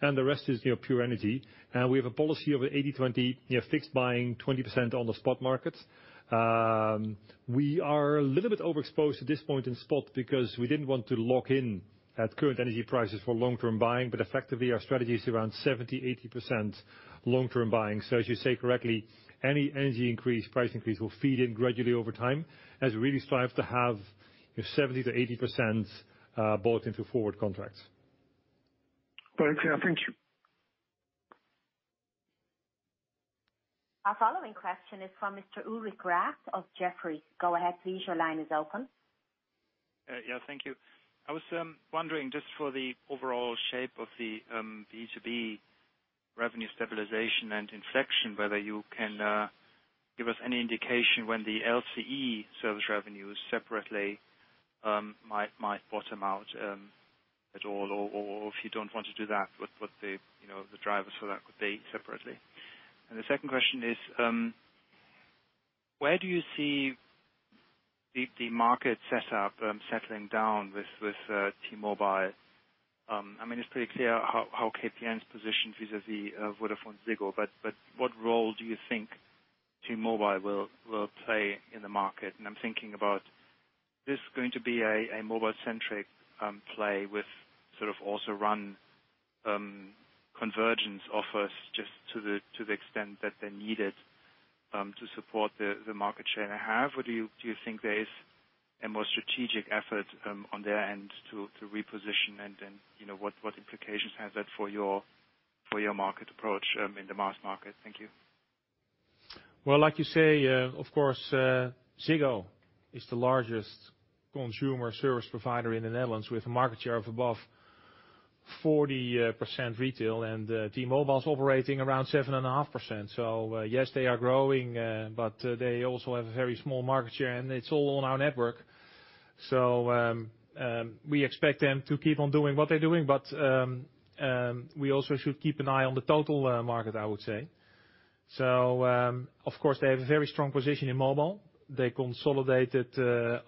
and the rest is, you know, pure energy. We have a policy of 80/20, you know, fixed buying 20% on the spot markets. We are a little bit overexposed at this point in spot because we didn't want to lock in at current energy prices for long-term buying. Effectively, our strategy is around 70%-80% long-term buying. As you say correctly, any energy increase, price increase will feed in gradually over time as we really strive to have 70%-80% bought into forward contracts. Very clear. Thank you. Our following question is from Mr. Ulrich Rathe of Jefferies. Go ahead, please. Your line is open. Yeah, thank you. I was wondering just for the overall shape of the B2B revenue stabilization and inflection, whether you can give us any indication when the LCE service revenues separately might bottom out at all, or if you don't want to do that, what you know the drivers for that could be separately? The second question is, where do you see the market set up settling down with T-Mobile? I mean, it's pretty clear how KPN is positioned vis-à-vis VodafoneZiggo, but what role do you think T-Mobile will play in the market? I'm thinking about this going to be a mobile-centric play with sort of also run convergence offers just to the extent that they're needed to support the market share they have. Or do you think there is a more strategic effort on their end to reposition and then, you know, what implications has that for your market approach in the mass market? Thank you. Well, like you say, of course, Ziggo is the largest consumer service provider in the Netherlands with a market share of above 40% retail. T-Mobile's operating around 7.5%. Yes, they are growing, but they also have a very small market share, and it's all on our network. We expect them to keep on doing what they're doing, but we also should keep an eye on the total market, I would say. Of course, they have a very strong position in mobile. They consolidated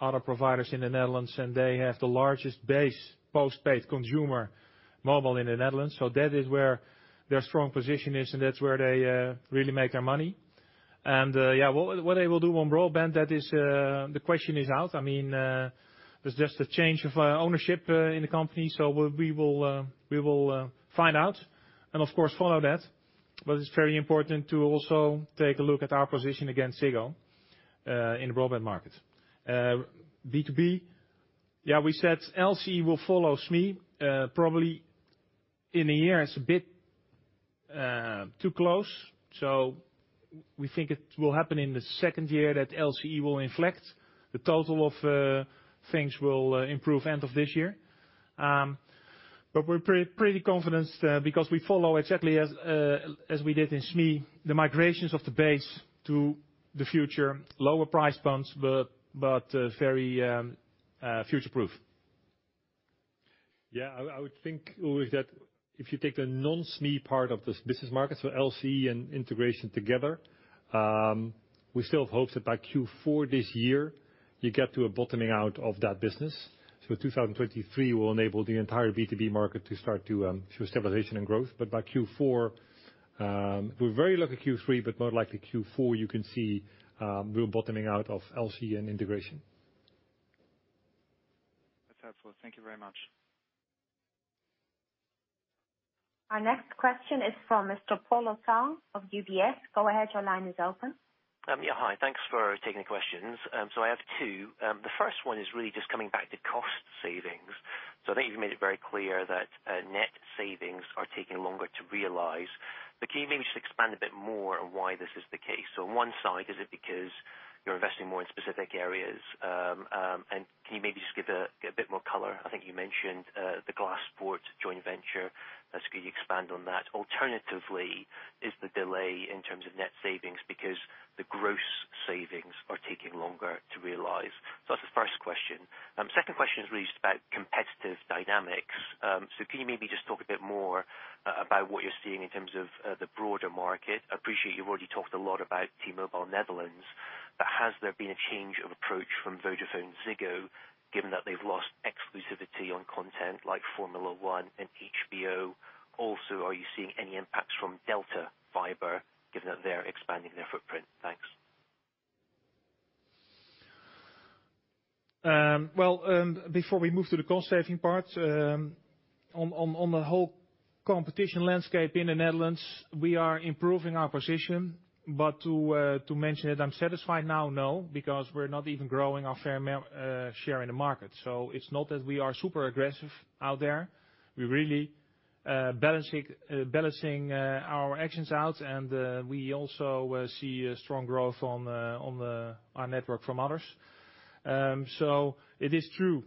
other providers in the Netherlands, and they have the largest base postpaid consumer mobile in the Netherlands. That is where their strong position is, and that's where they really make their money. What they will do on broadband? That is the question is out. I mean, there's just a change of ownership in the company. We will find out and of course, follow that. It's very important to also take a look at our position against Ziggo in the broadband market. B2B, we said LCE will follow SME probably in a year. It's a bit too close. We think it will happen in the second year that LCE will inflect. The total of things will improve end of this year. We're pretty confident because we follow exactly as we did in SME, the migrations of the base to the future, lower price points, but very future-proof. Yeah, I would think, Ulrich, that if you take the non-SME part of this business market, so LCE and integration together, we still have hopes that by Q4 this year, you get to a bottoming out of that business. 2023 will enable the entire B2B market to start to show stabilization and growth. By Q4, we're very likely Q3, but more likely Q4, you can see real bottoming out of LCE and integration. That's helpful. Thank you very much. Our next question is from Mr. Polo Tang of UBS. Go ahead, your line is open. Yeah, hi. Thanks for taking the questions. I have two. The first one is really just coming back to cost savings. I think you've made it very clear that net savings are taking longer to realize. Can you maybe just expand a bit more on why this is the case? On one side, is it because you're investing more in specific areas? Can you maybe just give a bit more color? I think you mentioned the Glaspoort joint venture. Could you expand on that? Alternatively, is the delay in terms of net savings because the gross savings are taking longer to realize? That's the first question. Second question is really just about competitive dynamics. Can you maybe just talk a bit more about what you're seeing in terms of the broader market? I appreciate you've already talked a lot about T-Mobile Netherlands, but has there been a change of approach from VodafoneZiggo, given that they've lost exclusivity on content like Formula 1 and HBO? Also, are you seeing any impacts from DELTA Fiber, given that they're expanding their footprint? Thanks. Well, before we move to the cost-saving part, on the whole competition landscape in the Netherlands, we are improving our position. To mention it, I'm satisfied now, no, because we're not even growing our market share. It's not that we are super aggressive out there. We're really balancing our actions out, and we also see a strong growth on our network from others. It is true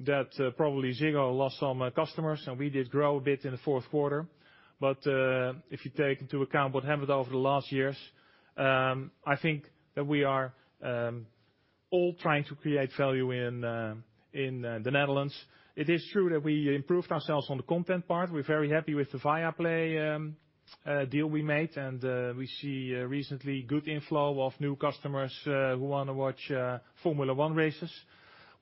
that probably Ziggo lost some customers and we did grow a bit in the fourth quarter. If you take into account what happened over the last years, I think that we are all trying to create value in the Netherlands. It is true that we improved ourselves on the content part. We're very happy with the Viaplay deal we made, and we see recently good inflow of new customers who wanna watch Formula 1 races.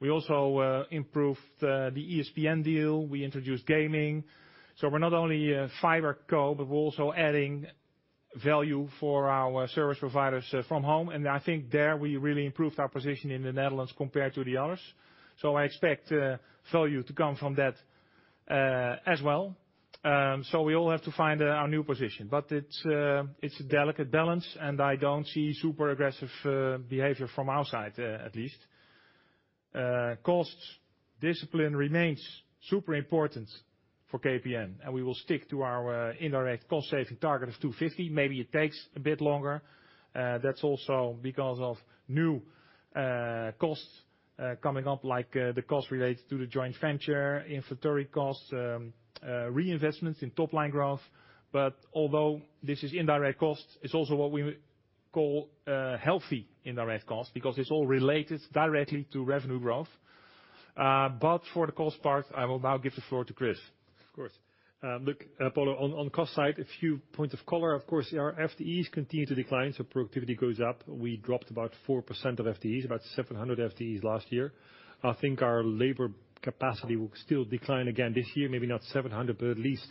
We also improved the ESPN deal. We introduced gaming. We're not only a fiber co, but we're also adding value for our service providers from home. I think there we really improved our position in the Netherlands compared to the others. I expect value to come from that as well. We all have to find our new position. It's a delicate balance, and I don't see super aggressive behavior from our side at least. Costs discipline remains super important for KPN, and we will stick to our indirect cost-saving target of 250 million. Maybe it takes a bit longer. That's also because of new costs coming up, like the cost related to the joint venture, inventory costs, reinvestments in top-line growth. Although this is indirect costs, it's also what we would call healthy indirect costs because it's all related directly to revenue growth. For the cost part, I will now give the floor to Chris. Of course. Look, Polo, on cost side, a few points of color. Of course, our FTEs continue to decline, so productivity goes up. We dropped about 4% of FTEs, about 700 FTEs last year. I think our labor capacity will still decline again this year, maybe not 700, but at least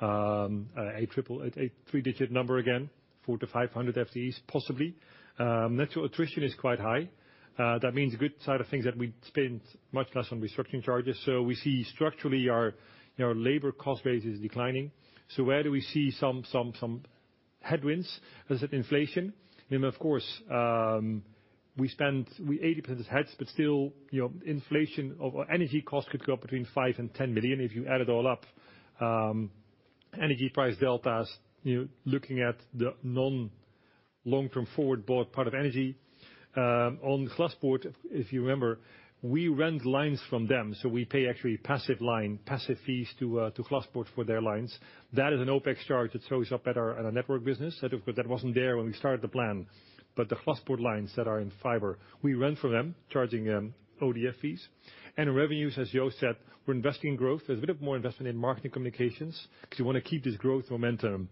a three-digit number again, 400-500 FTEs, possibly. Natural attrition is quite high. That means the good side of things that we spend much less on restructuring charges. So we see structurally our, you know, labor cost base is declining. So where do we see some headwinds is that inflation. Of course, we're 80% hedged, but still, you know, inflation of energy costs could go up between 5 million and 10 million if you add it all up. Energy price deltas, you know, looking at the non-long-term forward bought part of energy. On Glaspoort, if you remember, we rent lines from them, so we pay actually passive line, passive fees to Glaspoort for their lines. That is an OpEx charge that shows up at our network business. That of course wasn't there when we started the plan. The Glaspoort lines that are in fiber, we rent from them, charging them ODF fees. Revenues, as Joost said, we're investing in growth. There's a bit of more investment in marketing communications because we wanna keep this growth momentum,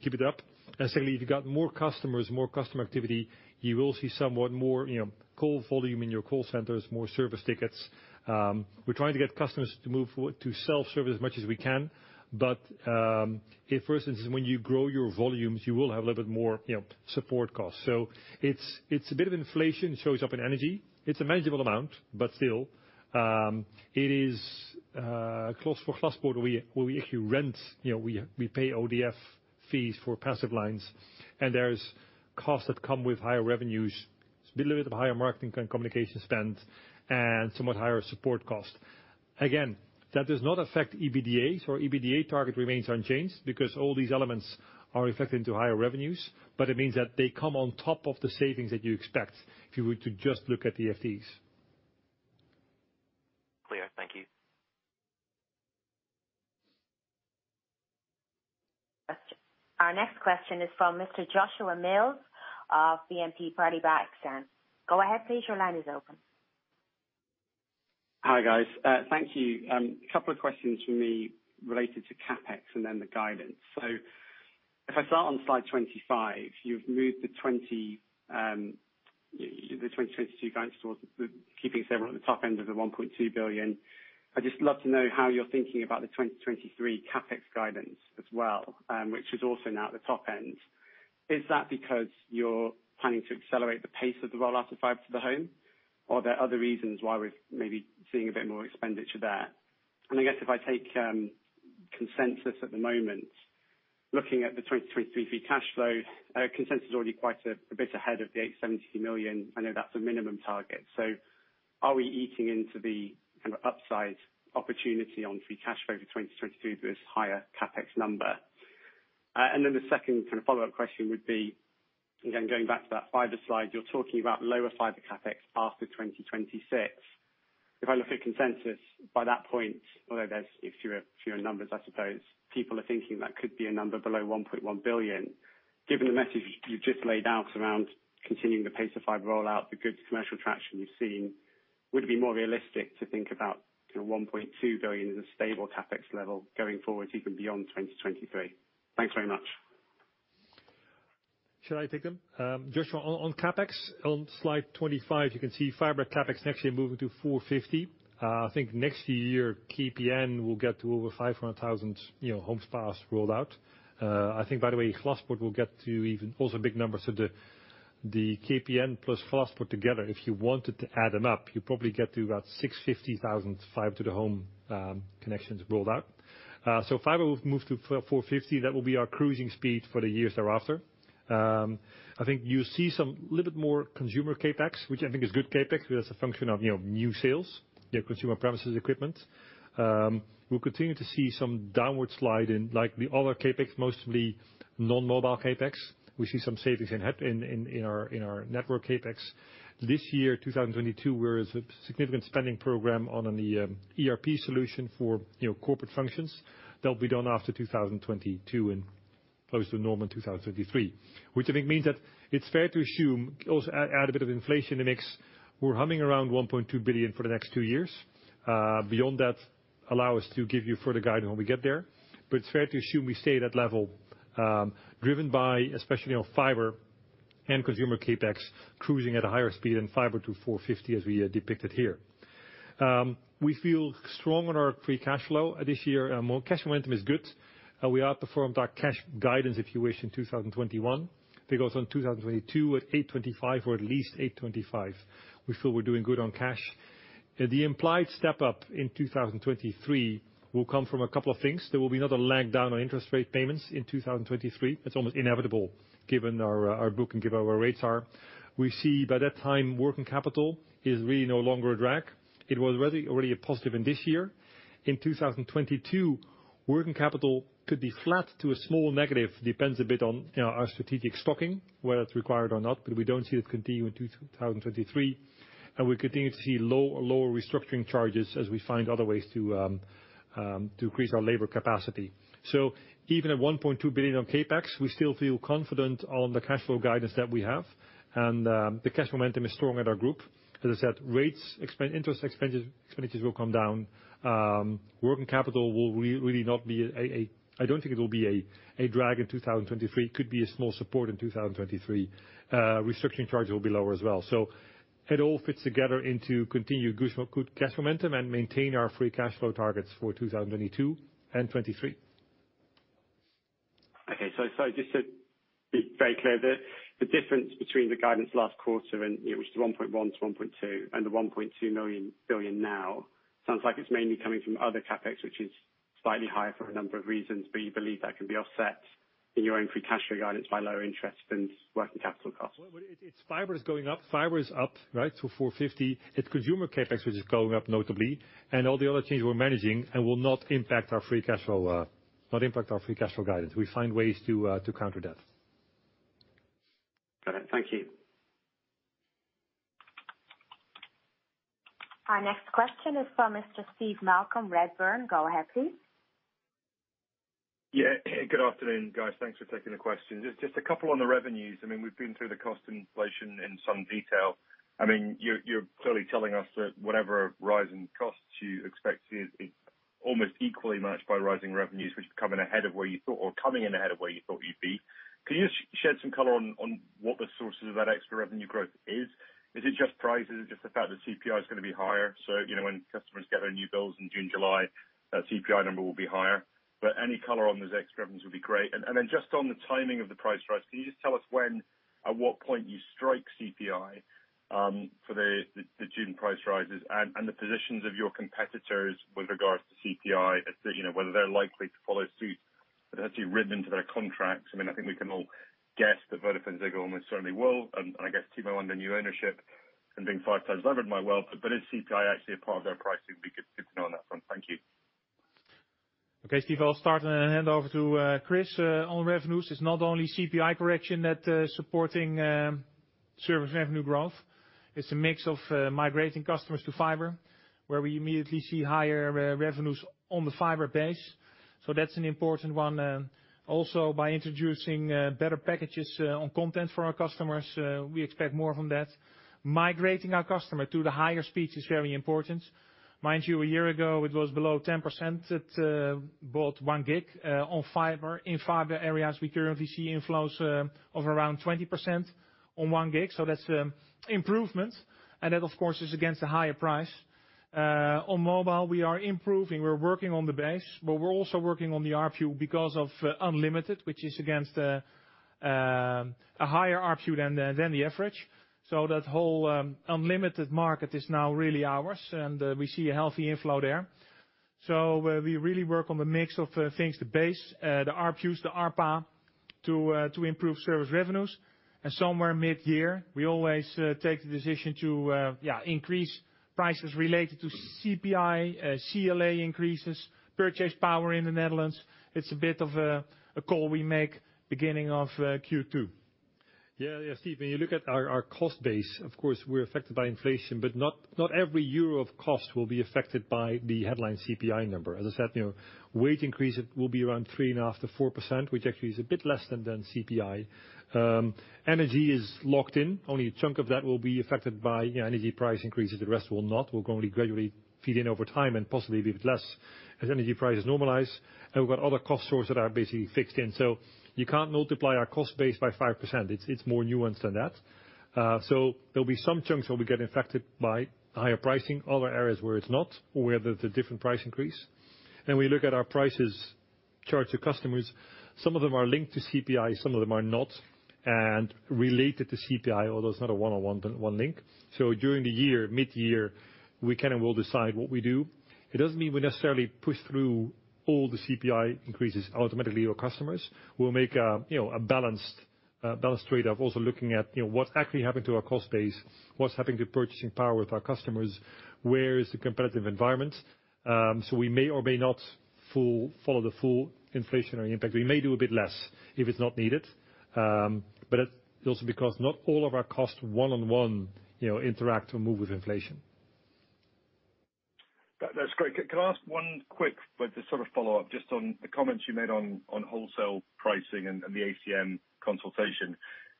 keep it up. Secondly, if you've got more customers, more customer activity, you will see somewhat more, you know, call volume in your call centers, more service tickets. We're trying to get customers to move to self-serve as much as we can. If for instance, when you grow your volumes, you will have a little bit more, you know, support costs. It's a bit of inflation. It shows up in energy. It's a manageable amount, but still, it is For Glaspoort, we actually rent, you know, we pay ODF fees for passive lines, and there's costs that come with higher revenues. It's a little bit of a higher marketing and communication spend and somewhat higher support cost. Again, that does not affect EBITDA. Our EBITDA target remains unchanged because all these elements are affecting to higher revenues, but it means that they come on top of the savings that you expect if you were to just look at the FTEs. Clear. Thank you. Our next question is from Mr. Joshua Mills of BNP Paribas Exane. Go ahead, please. Your line is open. Hi, guys. Thank you. A couple of questions from me related to CapEx and then the guidance. If I start on Slide 25, you've moved the 2022 guidance towards keeping CapEx at the top end of the 1.2 billion. I'd just love to know how you're thinking about the 2023 CapEx guidance as well, which is also now at the top end. Is that because you're planning to accelerate the pace of the rollout of fiber to the home? Or are there other reasons why we're maybe seeing a bit more expenditure there? I guess if I take consensus at the moment, looking at the 2023 free cash flow, consensus is already quite a bit ahead of the 870 million. I know that's a minimum target. Are we eating into the kinda upside opportunity on free cash flow for 2022 versus higher CapEx number? And then the second kinda follow-up question would be, again, going back to that fiber slide, you're talking about lower fiber CapEx after 2026. If I look at consensus, by that point, although there's fewer numbers, I suppose people are thinking that could be a number below 1.1 billion. Given the message you just laid out around continuing the pace of fiber rollout, the good commercial traction we've seen, would it be more realistic to think about 1.2 billion as a stable CapEx level going forward even beyond 2023? Thanks very much. Should I take them? Just on CapEx, on Slide 25, you can see fiber CapEx next year moving to 450 million. I think next year KPN will get to over 500,000, you know, homes passed rolled out. I think by the way, Glaspoort will get to even also big numbers. The KPN plus Glaspoort together, if you wanted to add them up, you probably get to about 650,000 fiber to the home connections rolled out. Fiber will move to 450 million. That will be our cruising speed for the years thereafter. I think you see some little bit more consumer CapEx, which I think is good CapEx. That's a function of, you know, new sales. Yeah, consumer premises equipment. We'll continue to see some downward slide in like the other CapEx, mostly non-mobile CapEx. We see some savings in our network CapEx. This year, 2022, there was a significant spending program on the ERP solution for, you know, corporate functions. That'll be done after 2022 and close to normal in 2023. Which I think means that it's fair to assume, also add a bit of inflation in the mix, we're humming around 1.2 billion for the next two years. Beyond that, allow us to give you further guidance when we get there. It's fair to assume we stay at that level, driven by especially on fiber and consumer CapEx cruising at a higher speed than fiber to 450 million as we are depicted here. We feel strong on our free cash flow this year. Our cash momentum is good. We outperformed our cash guidance, if you wish, in 2021. That goes on 2022 at 825 million or at least 825 million. We feel we're doing good on cash. The implied step-up in 2023 will come from a couple of things. There will be another lag down on interest rate payments in 2023. That's almost inevitable given our booking, given where our rates are. We see by that time working capital is really no longer a drag. It was already a positive in this year. In 2022, working capital could be flat to a small negative. Depends a bit on, you know, our strategic stocking, whether it's required or not, but we don't see it continue in 2023. We continue to see lower restructuring charges as we find other ways to increase our labor capacity. Even at 1.2 billion on CapEx, we still feel confident on the cash flow guidance that we have. The cash momentum is strong at our group. As I said, interest rates, expenses, expenditures will come down. Working capital will really not be a drag in 2023. It could be a small support in 2023. Restructuring charges will be lower as well. It all fits together into continued good cash momentum and maintain our free cash flow targets for 2022 and 2023. Just to be very clear, the difference between the guidance last quarter and, you know, which is 1.1 billion-1.2 billion and the 1.2 billion now, sounds like it's mainly coming from other CapEx, which is slightly higher for a number of reasons. You believe that can be offset in your own free cash flow guidance by lower interest and working capital costs? It's fiber is going up. Fiber is up, right, to 450 million. It's consumer CapEx which is going up notably, and all the other changes we're managing and will not impact our free cash flow guidance. We find ways to counter that. Got it. Thank you. Our next question is from Mr. Steve Malcolm, Redburn. Go ahead, please. Yeah. Good afternoon, guys. Thanks for taking the questions. Just a couple on the revenues. I mean, we've been through the cost inflation in some detail. I mean, you're clearly telling us that whatever rise in costs you expect is almost equally matched by rising revenues, which is coming ahead of where you thought or coming in ahead of where you thought you'd be. Can you shed some color on what the sources of that extra revenue growth is? Is it just prices? Is it just the fact that CPI is gonna be higher? You know, when customers get their new bills in June, July, that CPI number will be higher. Any color on those extra revenues would be great. Then just on the timing of the price rise, can you just tell us when, at what point you strike CPI, for the June price rises and the positions of your competitors with regards to CPI, as to, you know, whether they're likely to follow suit, but actually written into their contracts. I mean, I think we can all guess that VodafoneZiggo almost certainly will, and I guess T-Mobile under new ownership and being 5x levered might well. Is CPI actually a part of their pricing? It'd be good to know on that front. Thank you. Okay, Steve, I'll start and hand over to Chris. On revenues, it's not only CPI correction that supporting service revenue growth. It's a mix of migrating customers to fiber, where we immediately see higher revenues on the fiber base. That's an important one. Also by introducing better packages on content for our customers, we expect more from that. Migrating our customer to the higher speeds is very important. Mind you, a year ago, it was below 10% that bought 1 Gbps on fiber. In fiber areas, we currently see inflows of around 20% on 1 Gbps. That's improvement. That, of course, is against a higher price. On mobile, we are improving. We're working on the base, but we're also working on the ARPU because of unlimited, which is a higher ARPU than the average. That whole unlimited market is now really ours, and we see a healthy inflow there. We really work on the mix of things, the base, the ARPUs, the ARPA to improve service revenues. Somewhere mid-year, we always take the decision to increase prices related to CPI, CLA increases, purchasing power in the Netherlands. It's a bit of a call we make beginning of Q2. Yeah. Yeah, Steve, when you look at our cost base, of course, we're affected by inflation, but not every euro of cost will be affected by the headline CPI number. As I said, you know, wage increase it will be around 3.5%-4%, which actually is a bit less than CPI. Energy is locked in. Only a chunk of that will be affected by energy price increases, the rest will not, it will only gradually feed in over time and possibly a bit less as energy prices normalize. We've got other cost sources that are basically fixed in. You can't multiply our cost base by 5%. It's more nuanced than that. There'll be some chunks where we get affected by higher pricing, other areas where it's not or where there's a different price increase. We look at our prices charged to customers. Some of them are linked to CPI, some of them are not. Related to CPI, although it's not a one-to-one link. During the year, mid-year, we can and will decide what we do. It doesn't mean we necessarily push through all the CPI increases automatically to our customers. We'll make a, you know, a balanced trade-off also looking at, you know, what's actually happening to our cost base, what's happening to purchasing power with our customers, where is the competitive environment. We may or may not follow the full inflationary impact. We may do a bit less if it's not needed. But it's also because not all of our costs one-to-one, you know, interact or move with inflation. That's great. Can I ask one quick but a sort of follow-up just on the comments you made on wholesale pricing and the ACM consultation.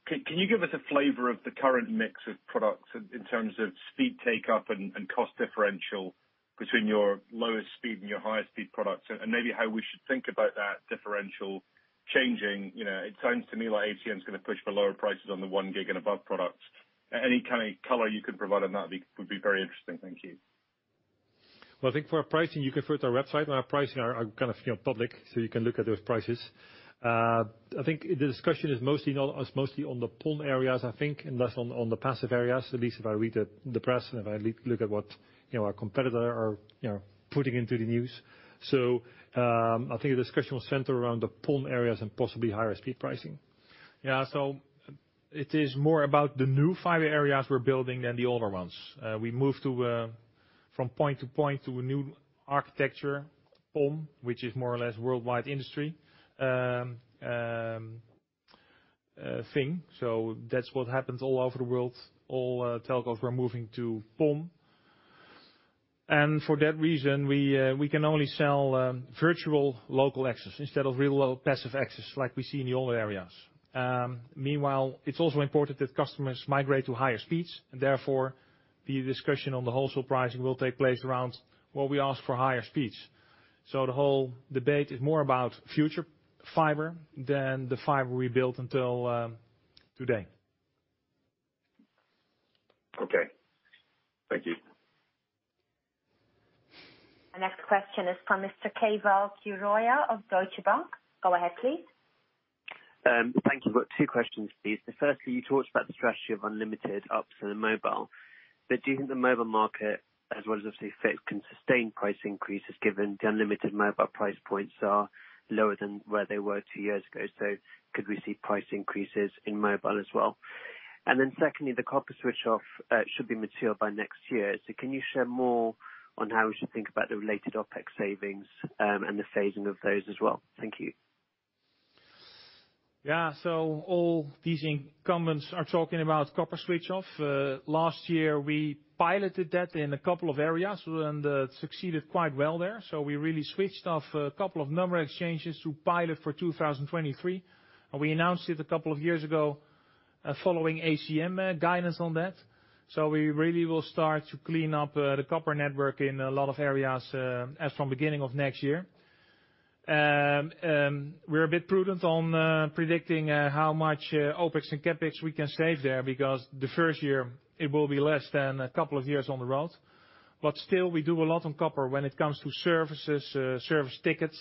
Can you give us a flavor of the current mix of products in terms of speed take-up and cost differential between your lowest speed and your highest speed products, and maybe how we should think about that differential changing, you know? It sounds to me like ACM's gonna push for lower prices on the 1 Gbps and above products. Any kind of color you could provide on that'd be very interesting. Thank you. Well, I think for our pricing, you can refer to our website and our pricing are kind of, you know, public, so you can look at those prices. I think the discussion is mostly, you know, on the PON areas, I think, and less on the passive areas. At least if I read the press and if I look at what, you know, our competitor are, you know, putting into the news. I think the discussion will center around the PON areas and possibly higher speed pricing. Yeah. It is more about the new fiber areas we're building than the older ones. We moved from point to point to a new architecture PON, which is more or less worldwide industry thing. That's what happens all over the world. All telcos were moving to PON. For that reason, we can only sell virtual local access instead of real passive access like we see in the older areas. Meanwhile, it's also important that customers migrate to higher speeds, and therefore, the discussion on the wholesale pricing will take place around, while we ask for higher speeds. The whole debate is more about future fiber than the fiber we built until today. Okay. Thank you. The next question is from Mr. Keval Khiroya of Deutsche Bank. Go ahead, please. Thank you. I've got two questions, please. The first thing, you talked about the strategy of unlimited ups in the mobile. Do you think the mobile market, as well as obviously fixed, can sustain price increases given the unlimited mobile price points are lower than where they were two years ago? Could we see price increases in mobile as well? Secondly, the copper switch off should be mature by next year. Can you share more on how we should think about the related OpEx savings, and the phasing of those as well? Thank you. Yeah. All these incumbents are talking about copper switch off. Last year we piloted that in a couple of areas and it succeeded quite well there. We really switched off a couple of exchanges to pilot for 2023, and we announced it a couple of years ago following ACM guidance on that. We really will start to clean up the copper network in a lot of areas as from beginning of next year. We're a bit prudent on predicting how much OpEx and CapEx we can save there because the first year it will be less than a couple of years on the road. Still, we do a lot on copper when it comes to services, service tickets,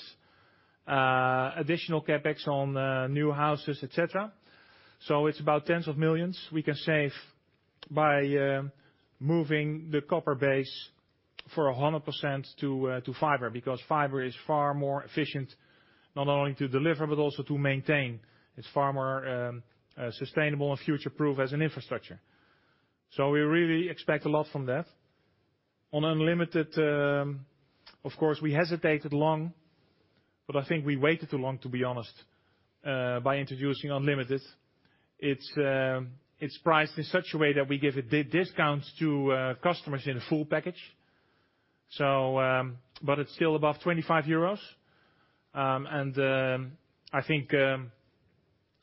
additional CapEx on new houses, et cetera. It's about tens of millions we can save by moving the copper base for 100% to fiber. Because fiber is far more efficient, not only to deliver but also to maintain. It's far more sustainable and future-proof as an infrastructure. We really expect a lot from that. On unlimited, of course, we hesitated long, but I think we waited too long, to be honest, by introducing unlimited. It's priced in such a way that we give discounts to customers in a full package. It's still above 25 euros. I think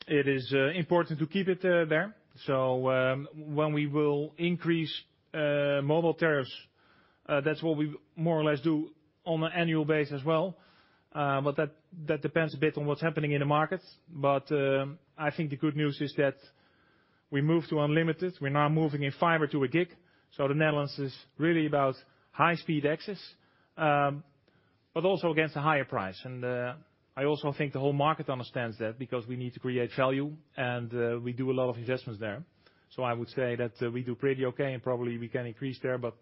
it is important to keep it there. When we will increase mobile tariffs, that's what we more or less do on an annual basis as well. That depends a bit on what's happening in the market. I think the good news is that we moved to unlimited. We're now moving in fiber to 1 Gbps. The Netherlands is really about high-speed access, but also against a higher price. I also think the whole market understands that because we need to create value and we do a lot of investments there. I would say that we do pretty okay and probably we can increase there, but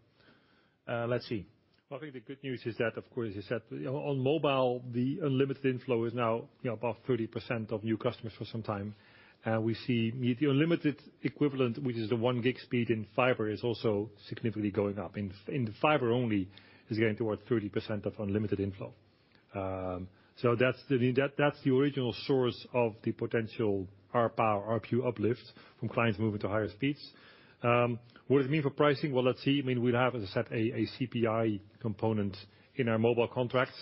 let's see. Well, I think the good news is that, of course, as you said, on mobile, the unlimited inflow is now, you know, above 30% of new customers for some time. We see the unlimited equivalent, which is the 1 Gbps speed in fiber, is also significantly going up. In the fiber only is getting towards 30% of unlimited inflow. So that's the original source of the potential ARPA or ARPU uplift from clients moving to higher speeds. What does it mean for pricing? Well, let's see. I mean, we'll have to set a CPI component in our mobile contracts,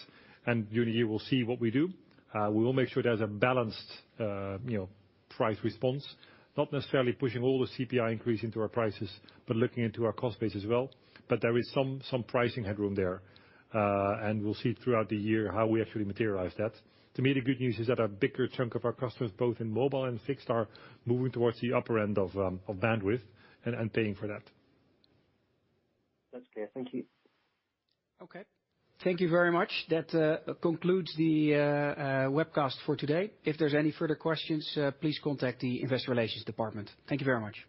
and during the year we'll see what we do. We will make sure there's a balanced, you know, price response. Not necessarily pushing all the CPI increase into our prices, but looking into our cost base as well. There is some pricing headroom there. We'll see throughout the year how we actually materialize that. To me, the good news is that a bigger chunk of our customers, both in mobile and fixed, are moving towards the upper end of bandwidth and paying for that. That's clear. Thank you. Okay. Thank you very much. That concludes the webcast for today. If there's any further questions, please contact the investor relations department. Thank you very much.